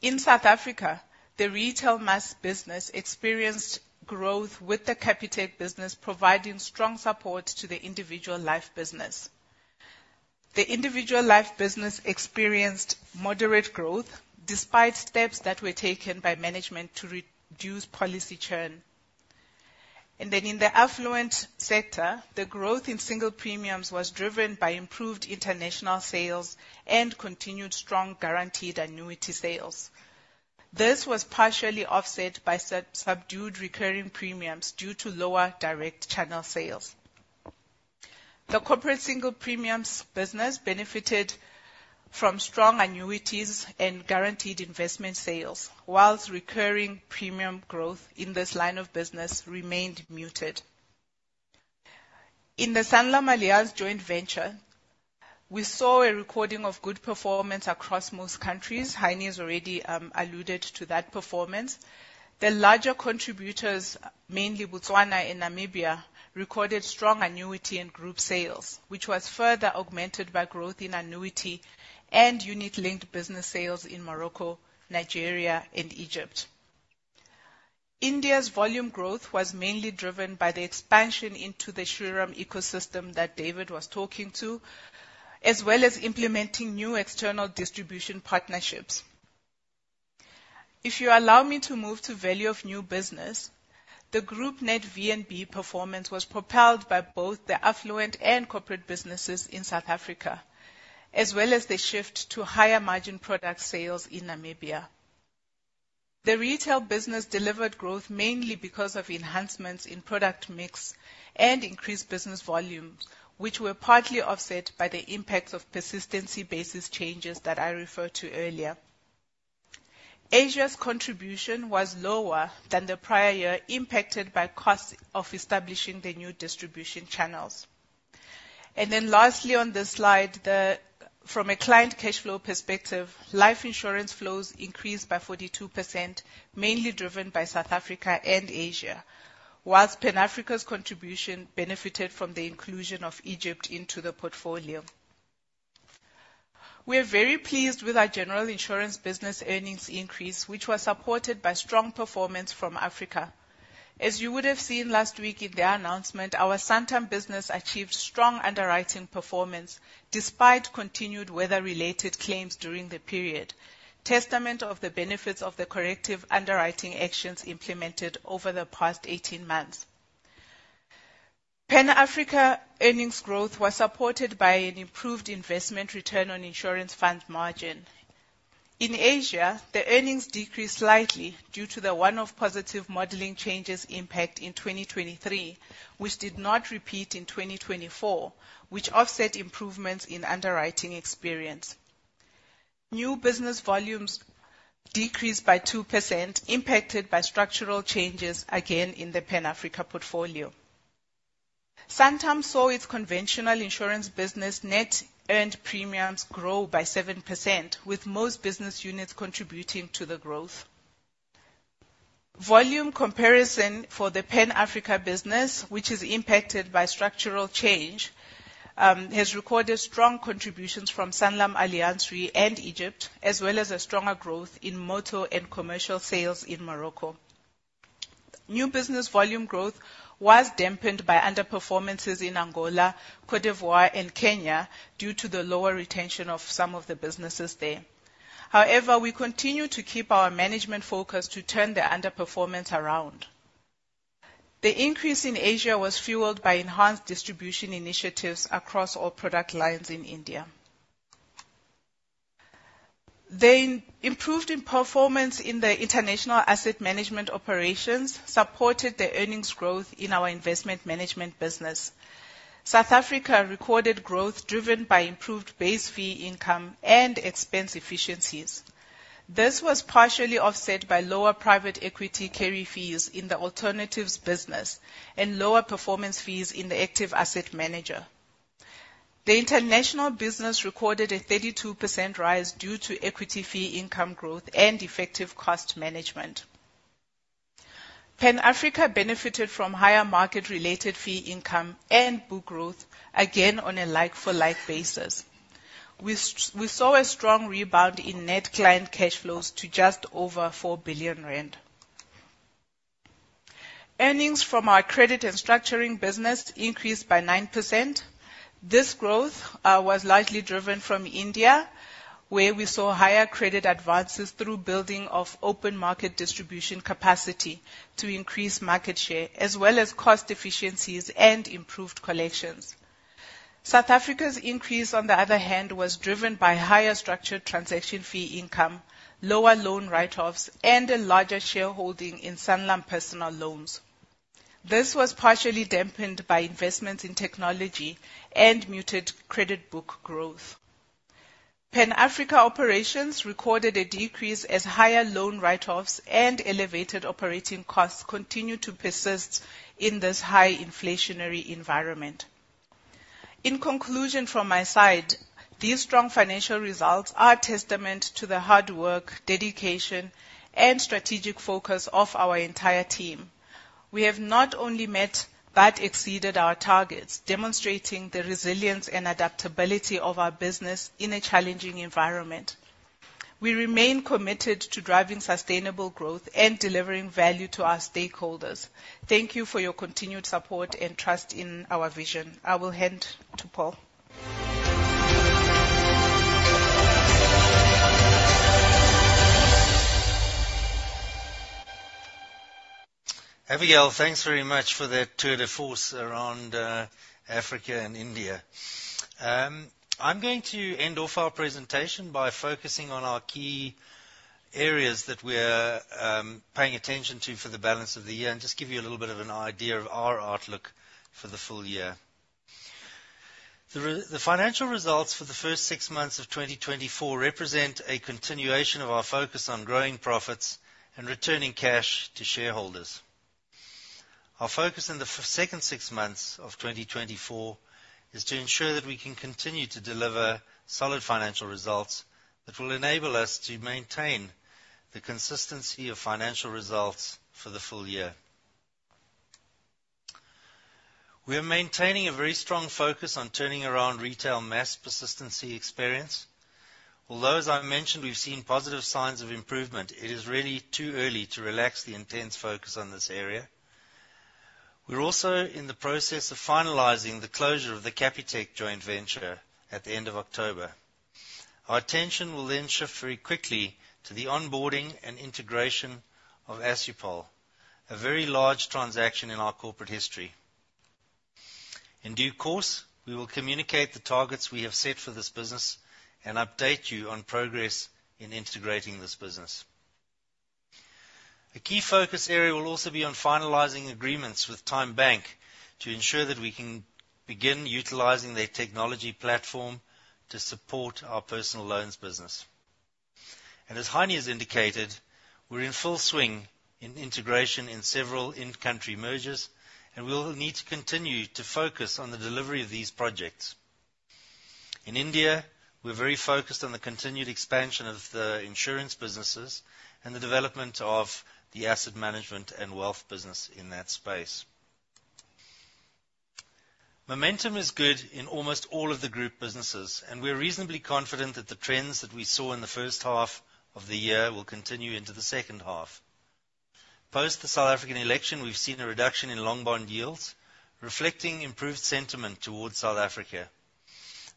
In South Africa, the Retail Mass business experienced growth with the Capitec business, providing strong support to the individual life business. The individual life business experienced moderate growth, despite steps that were taken by management to reduce policy churn. In the affluent sector, the growth in single premiums was driven by improved international sales and continued strong guaranteed annuity sales. This was partially offset by subdued recurring premiums due to lower direct channel sales. The corporate single premiums business benefited from strong annuities and guaranteed investment sales, while recurring premium growth in this line of business remained muted. In the SanlamAllianz joint venture, we saw a record of good performance across most countries. Heinie has already alluded to that performance. The larger contributors, mainly Botswana and Namibia, recorded strong annuity and group sales, which was further augmented by growth in annuity and unit-linked business sales in Morocco, Nigeria, and Egypt. India's volume growth was mainly driven by the expansion into the Shriram ecosystem that David was talking to, as well as implementing new external distribution partnerships. If you allow me to move to value of new business, the group net VNB performance was propelled by both the affluent and corporate businesses in South Africa, as well as the shift to higher margin product sales in Namibia. The retail business delivered growth mainly because of enhancements in product mix and increased business volumes, which were partly offset by the impacts of persistency basis changes that I referred to earlier. Asia's contribution was lower than the prior year, impacted by costs of establishing the new distribution channels. And then lastly, on this slide, from a client cash flow perspective, life insurance flows increased by 42%, mainly driven by South Africa and Asia, whilst Pan Africa's contribution benefited from the inclusion of Egypt into the portfolio. We are very pleased with our general insurance business earnings increase, which was supported by strong performance from Africa. As you would have seen last week in their announcement, our Santam business achieved strong underwriting performance, despite continued weather-related claims during the period, testament of the benefits of the corrective underwriting actions implemented over the past eighteen months. Pan Africa earnings growth was supported by an improved investment return on insurance funds margin. In Asia, the earnings decreased slightly due to the one-off positive modeling changes impact in 2023, which did not repeat in 2024, which offset improvements in underwriting experience. New business volumes decreased by 2%, impacted by structural changes, again, in the Pan Africa portfolio. Santam saw its conventional insurance business net earned premiums grow by 7%, with most business units contributing to the growth. Volume comparison for the Pan Africa business, which is impacted by structural change, has recorded strong contributions from SanlamAllianz Re, and Egypt, as well as a stronger growth in motor and commercial sales in Morocco. New business volume growth was dampened by underperformances in Angola, Côte d'Ivoire, and Kenya due to the lower retention of some of the businesses there. However, we continue to keep our management focused to turn the underperformance around. The increase in Asia was fueled by enhanced distribution initiatives across all product lines in India. The improvement in performance in the international asset management operations supported the earnings growth in our investment management business. South Africa recorded growth driven by improved base fee income and expense efficiencies. This was partially offset by lower private equity carry fees in the alternatives business and lower performance fees in the active asset management. The international business recorded a 32% rise due to equity fee income growth and effective cost management. Pan Africa benefited from higher market-related fee income and book growth, again, on a like-for-like basis. We saw a strong rebound in net client cash flows to just over 4 billion rand. Earnings from our credit and structuring business increased by 9%. This growth was largely driven from India, where we saw higher credit advances through building of open market distribution capacity to increase market share, as well as cost efficiencies and improved collections. South Africa's increase, on the other hand, was driven by higher structured transaction fee income, lower loan write-offs, and a larger shareholding in Sanlam Personal Loans. This was partially dampened by investments in technology and muted credit book growth. Pan Africa operations recorded a decrease as higher loan write-offs and elevated operating costs continue to persist in this high inflationary environment. In conclusion, from my side, these strong financial results are a testament to the hard work, dedication, and strategic focus of our entire team. We have not only met, but exceeded our targets, demonstrating the resilience and adaptability of our business in a challenging environment. We remain committed to driving sustainable growth and delivering value to our stakeholders. Thank you for your continued support and trust in our vision. I will hand to Paul. Abigail, thanks very much for that tour de force around Africa and India. I'm going to end off our presentation by focusing on our key areas that we're paying attention to for the balance of the year, and just give you a little bit of an idea of our outlook for the full year. The financial results for the first six months of 2024 represent a continuation of our focus on growing profits and returning cash to shareholders. Our focus in the second six months of 2024 is to ensure that we can continue to deliver solid financial results that will enable us to maintain the consistency of financial results for the full year. We're maintaining a very strong focus on turning around Retail Mass persistency experience. Although, as I mentioned, we've seen positive signs of improvement, it is really too early to relax the intense focus on this area. We're also in the process of finalizing the closure of the Capitec joint venture at the end of October. Our attention will then shift very quickly to the onboarding and integration of Assupol, a very large transaction in our corporate history. In due course, we will communicate the targets we have set for this business and update you on progress in integrating this business. A key focus area will also be on finalizing agreements with TymeBank to ensure that we can begin utilizing their technology platform to support our personal loans business. And as Heinie has indicated, we're in full swing in integration in several in-country mergers, and we'll need to continue to focus on the delivery of these projects. In India, we're very focused on the continued expansion of the insurance businesses and the development of the asset management and wealth business in that space. Momentum is good in almost all of the group businesses, and we're reasonably confident that the trends that we saw in the first half of the year will continue into the second half. Post the South African election, we've seen a reduction in long bond yields, reflecting improved sentiment towards South Africa.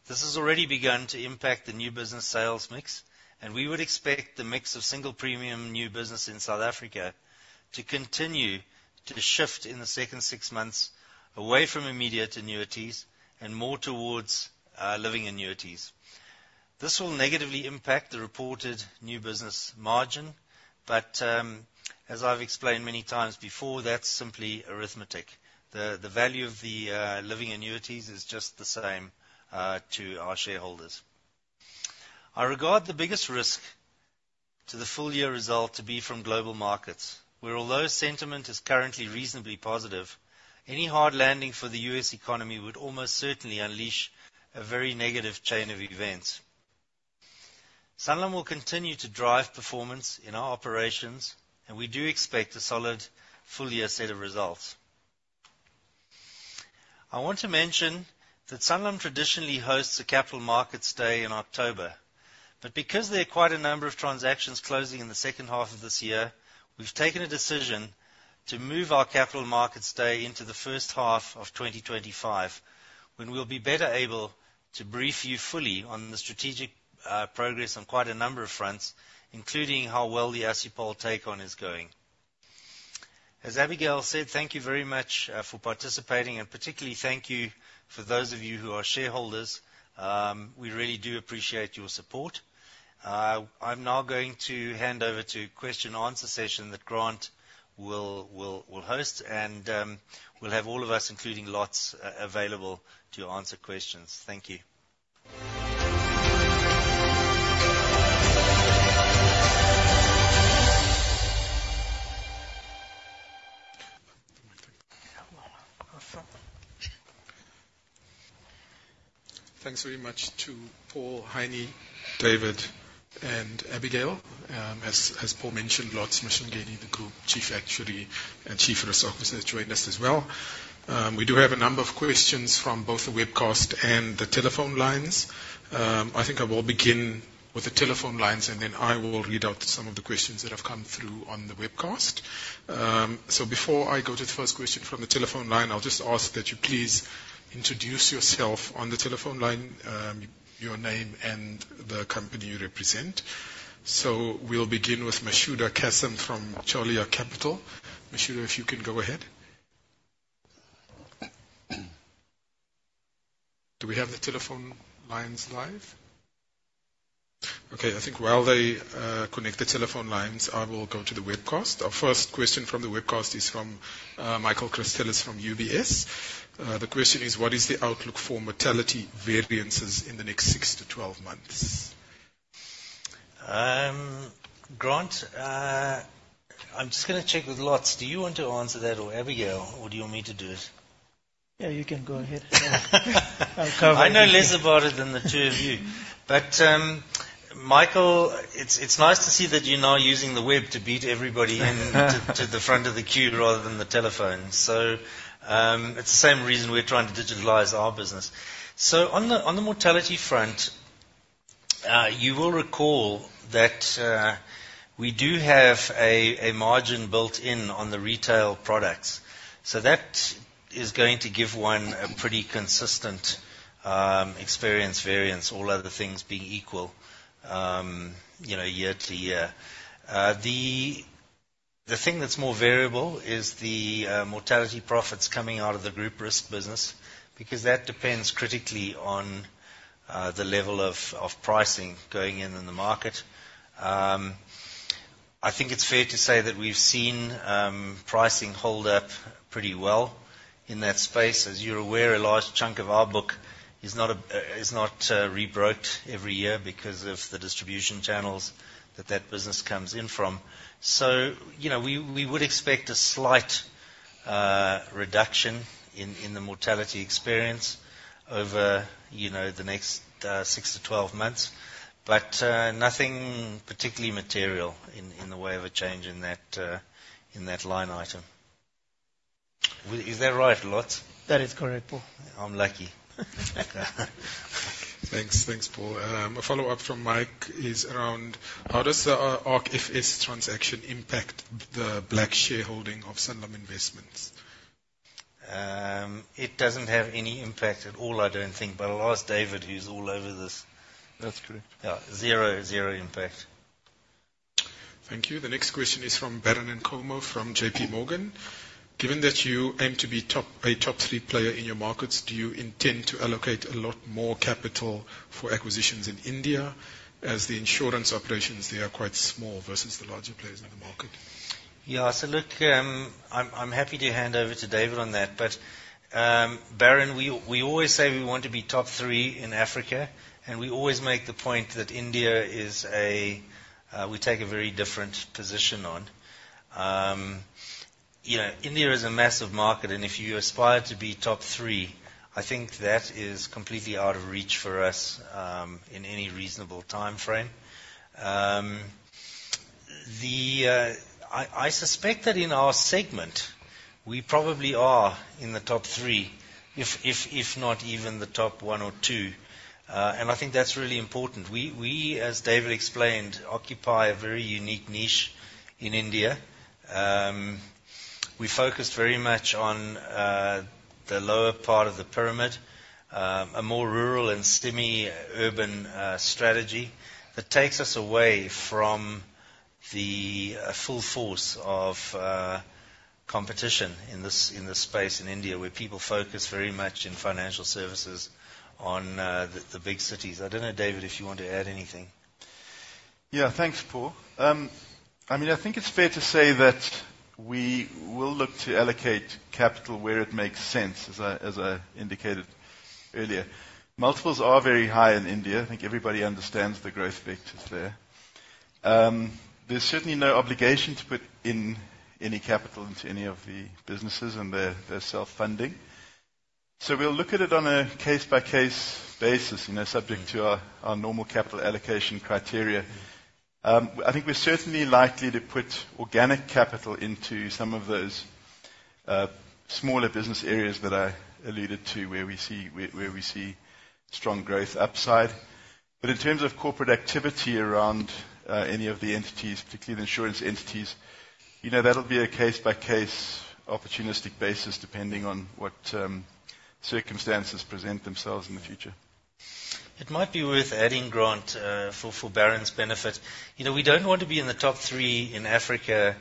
This has already begun to impact the new business sales mix, and we would expect the mix of single premium new business in South Africa to continue to shift in the second six months away from immediate annuities and more towards living annuities. This will negatively impact the reported new business margin, but as I've explained many times before, that's simply arithmetic. The value of the living annuities is just the same to our shareholders. I regard the biggest risk to the full year result to be from global markets, where although sentiment is currently reasonably positive, any hard landing for the U.S. economy would almost certainly unleash a very negative chain of events. Sanlam will continue to drive performance in our operations, and we do expect a solid full year set of results. I want to mention that Sanlam traditionally hosts a capital markets day in October, but because there are quite a number of transactions closing in the second half of this year, we've taken a decision to move our capital markets day into the first half of 2025, when we'll be better able to brief you fully on the strategic progress on quite a number of fronts, including how well the Assupol take on is going. As Abigail said, thank you very much for participating, and particularly thank you for those of you who are shareholders. We really do appreciate your support. I'm now going to hand over to question-and-answer session that Grant will host, and we'll have all of us, including Lotz, available to answer questions. Thank you.... Thanks very much to Paul, Heinie, David, and Abigail. As Paul mentioned, Lotz Mahlangeni, the Group Chief Actuary and Chief Risk Officer, has joined us as well. We do have a number of questions from both the webcast and the telephone lines. I think I will begin with the telephone lines, and then I will read out some of the questions that have come through on the webcast. So before I go to the first question from the telephone line, I'll just ask that you please introduce yourself on the telephone line, your name and the company you represent. So we'll begin with Mashuda Cassim from Cachalia Capital. Mashuda, if you can go ahead. Do we have the telephone lines live? Okay, I think while they connect the telephone lines, I will go to the webcast. Our first question from the webcast is from Michael Christelis from UBS. The question is: What is the outlook for mortality variances in the next six to 12 months? Grant, I'm just gonna check with Lotz. Do you want to answer that, or Abigail, or do you want me to do it? Yeah, you can go ahead. I'll cover- I know less about it than the two of you. But, Michael, it's nice to see that you're now using the web to beat everybody in to the front of the queue rather than the telephone. So, it's the same reason we're trying to digitalize our business. So on the mortality front, you will recall that we do have a margin built in on the retail products. So that is going to give one a pretty consistent experience variance, all other things being equal, you know, year-to-year. The thing that's more variable is the mortality profits coming out of the group risk business, because that depends critically on the level of pricing going in in the market. I think it's fair to say that we've seen pricing hold up pretty well in that space. As you're aware, a large chunk of our book is not re-brokered every year because of the distribution channels that that business comes in from. So, you know, we would expect a slight reduction in the mortality experience over, you know, the next six to 12 months, but nothing particularly material in the way of a change in that line item. Is that right, Lotz? That is correct, Paul. I'm lucky. Thanks, thanks, Paul. A follow-up from Mike is around: How does the ARC FS transaction impact the black shareholding of Sanlam Investments? It doesn't have any impact at all, I don't think, but I'll ask David, who's all over this. That's correct. Yeah, zero, zero impact. Thank you. The next question is from Baron Nkomo from JPMorgan. Given that you aim to be a top three player in your markets, do you intend to allocate a lot more capital for acquisitions in India, as the insurance operations there are quite small versus the larger players in the market? Yeah. So look, I'm happy to hand over to David on that. But, Baron, we always say we want to be top three in Africa, and we always make the point that India is a... We take a very different position on. You know, India is a massive market, and if you aspire to be top three, I think that is completely out of reach for us in any reasonable timeframe. The... I suspect that in our segment, we probably are in the top three, if not even the top one or two. And I think that's really important. We, as David explained, occupy a very unique niche in India. We focus very much on the lower part of the pyramid, a more rural and semi-urban strategy, that takes us away from the full force of competition in this space in India, where people focus very much in financial services on the big cities. I don't know, David, if you want to add anything. Yeah. Thanks, Paul. I mean, I think it's fair to say that we will look to allocate capital where it makes sense, as I indicated earlier. Multiples are very high in India. I think everybody understands the growth vectors there. There's certainly no obligation to put in any capital into any of the businesses, and they're self-funding. So we'll look at it on a case-by-case basis, you know, subject to our normal capital allocation criteria. I think we're certainly likely to put organic capital into some of those smaller business areas that I alluded to, where we see strong growth upside. But in terms of corporate activity around any of the entities, particularly the insurance entities, you know, that'll be a case-by-case, opportunistic basis, depending on what circumstances present themselves in the future. It might be worth adding, Grant, for Baron's benefit, you know, we don't want to be in the top three in Africa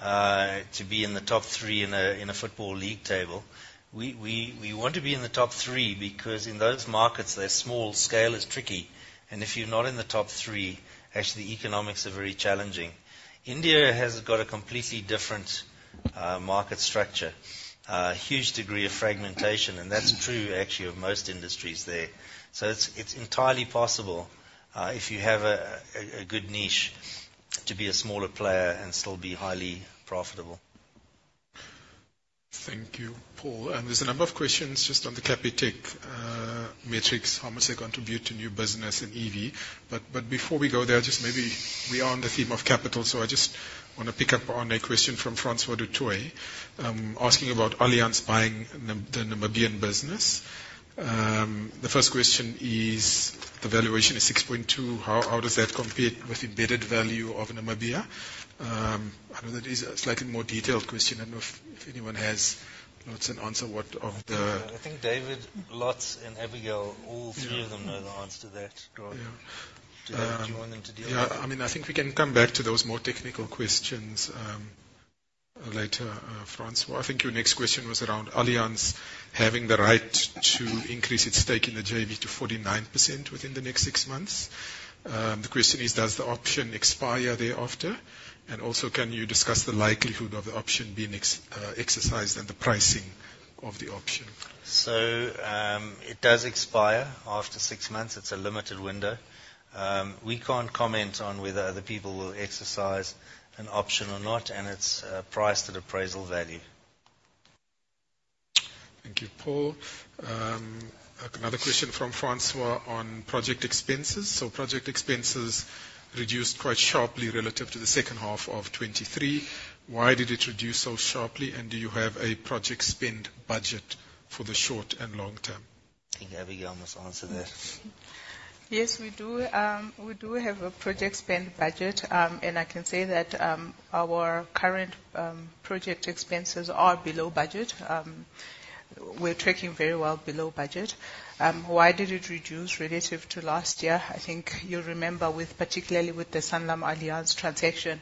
to be in the top three in a football league table. We want to be in the top three, because in those markets, they're small, scale is tricky, and if you're not in the top three, actually, the economics are very challenging. India has got a completely different market structure, a huge degree of fragmentation, and that's true, actually, of most industries there. So it's entirely possible, if you have a good niche, to be a smaller player and still be highly profitable.... Thank you, Paul. And there's a number of questions just on the Capitec metrics, how much they contribute to new business and EV. But before we go there, just maybe we are on the theme of capital, so I just wanna pick up on a question from Francois du Toit, asking about Allianz buying the Namibian business. The first question is, the valuation is 6.2, how does that compete with embedded value of Namibia? I know that is a slightly more detailed question. I don't know if anyone has notes and answer what of the- I think David, Lotz and Abigail, all three of them know the answer to that, Grant. Do you want them to deal with it? Yeah, I mean, I think we can come back to those more technical questions, later, Francois. I think your next question was around Allianz having the right to increase its stake in the JV to 49% within the next six months. The question is: Does the option expire thereafter? And also, can you discuss the likelihood of the option being exercised and the pricing of the option? It does expire after six months. It's a limited window. We can't comment on whether other people will exercise an option or not, and it's priced at appraisal value. Thank you, Paul. Another question from Francois on project expenses. So project expenses reduced quite sharply relative to the second half of 2023. Why did it reduce so sharply, and do you have a project spend budget for the short and long term? I think Abigail must answer that. Yes, we do. We do have a project spend budget, and I can say that, our current, project expenses are below budget. We're tracking very well below budget. Why did it reduce relative to last year? I think you'll remember with, particularly with the SanlamAllianz transaction,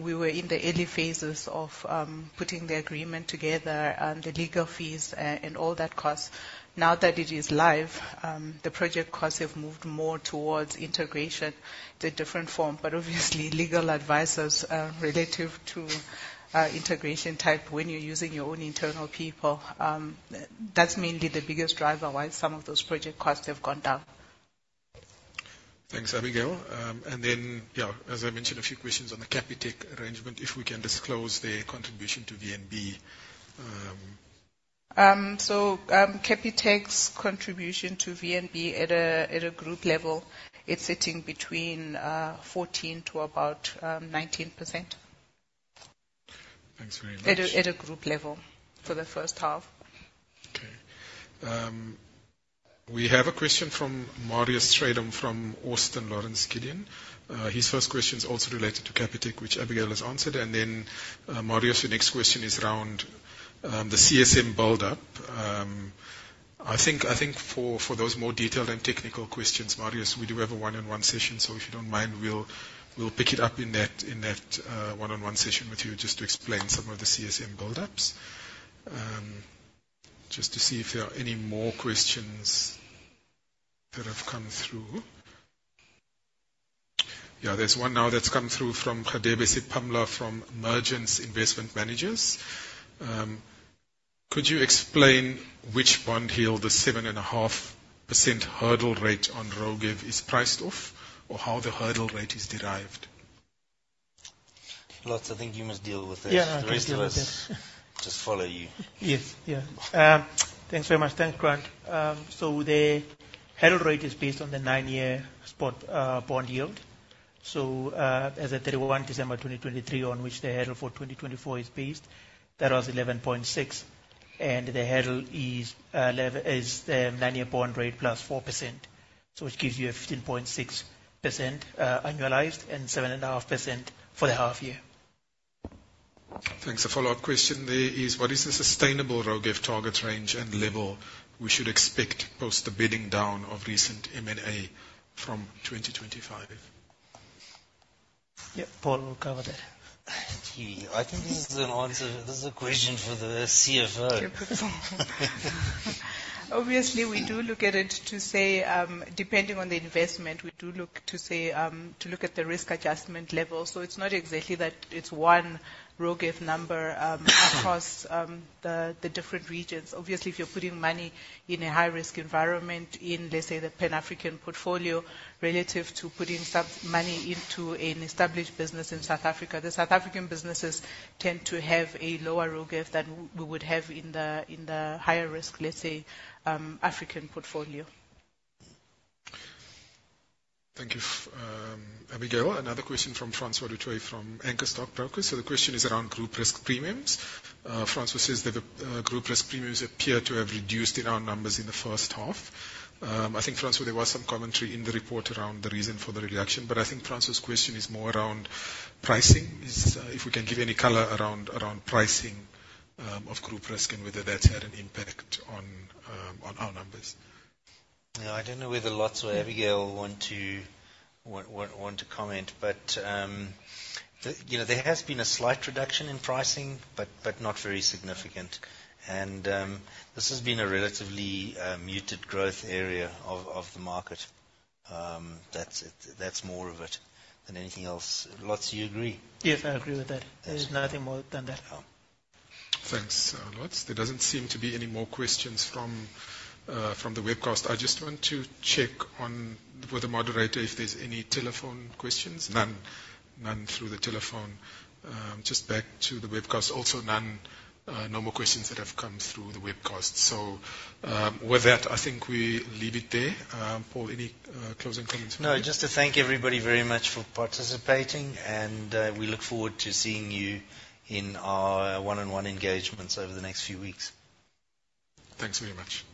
we were in the early phases of, putting the agreement together and the legal fees, and all that cost. Now that it is live, the project costs have moved more towards integration, the different form. But obviously, legal advisors, relative to, integration type, when you're using your own internal people, that's mainly the biggest driver why some of those project costs have gone down. Thanks, Abigail. And then, yeah, as I mentioned, a few questions on the Capitec arrangement, if we can disclose their contribution to VNB. Capitec's contribution to VNB at a group level, it's sitting between 14 to about 19%. Thanks very much. At a group level for the first half. Okay. We have a question from Marius Strydom from Austin Lawrence Gideon. His first question is also related to Capitec, which Abigail has answered. And then, Marius, your next question is around the CSM buildup. I think for those more detailed and technical questions, Marius, we do have a one-on-one session, so if you don't mind, we'll pick it up in that one-on-one session with you, just to explain some of the CSM buildups. Just to see if there are any more questions that have come through. Yeah, there's one now that's come through from Keabetswe Setipane from Mergence Investment Managers. Could you explain which bond yield, the 7.5% hurdle rate on RoGEV is priced off or how the hurdle rate is derived? Lotz, I think you must deal with this. Yeah, I can deal with this. The rest of us just follow you. Yes, yeah. Thanks very much. Thanks, Grant. So the hurdle rate is based on the nine-year spot bond yield. So, as at December 2023, on which the hurdle for 2024 is based, that was 11.6, and the hurdle is nine-year bond rate plus 4%, so which gives you a 15.6% annualized and 7.5% for the half year. Thanks. A follow-up question there is, what is the sustainable RoGEV target range and level we should expect post the bedding down of recent M&A from 2025? Yeah, Paul will cover that. Gee, I think this is an answer. This is a question for the CFO. Obviously, we do look at it to say, depending on the investment, we do look to say, to look at the risk adjustment level. So it's not exactly that it's one RoGEV number across the different regions. Obviously, if you're putting money in a high-risk environment in, let's say, the Pan-African portfolio, relative to putting some money into an established business in South Africa, the South African businesses tend to have a lower RoGEV than we would have in the higher risk, let's say, African portfolio. Thank you, Abigail. Another question from Francois du Toit from Anchor Stockbrokers. So the question is around group risk premiums. Francois says that the group risk premiums appear to have reduced in our numbers in the first half. I think, Francois, there was some commentary in the report around the reason for the reduction, but I think Francois's question is more around pricing. If we can give any color around pricing of group risk and whether that's had an impact on our numbers. Yeah, I don't know whether Lots or Abigail want to comment, but you know, there has been a slight reduction in pricing, but not very significant. And this has been a relatively muted growth area of the market. That's it. That's more of it than anything else. Lots, you agree? Yes, I agree with that. There's nothing more than that. Thanks, Lotz. There doesn't seem to be any more questions from the webcast. I just want to check on with the moderator if there's any telephone questions. None. None through the telephone. Just back to the webcast. Also, none, no more questions that have come through the webcast. So, with that, I think we leave it there. Paul, any closing comments? No, just to thank everybody very much for participating, and we look forward to seeing you in our one-on-one engagements over the next few weeks. Thanks very much.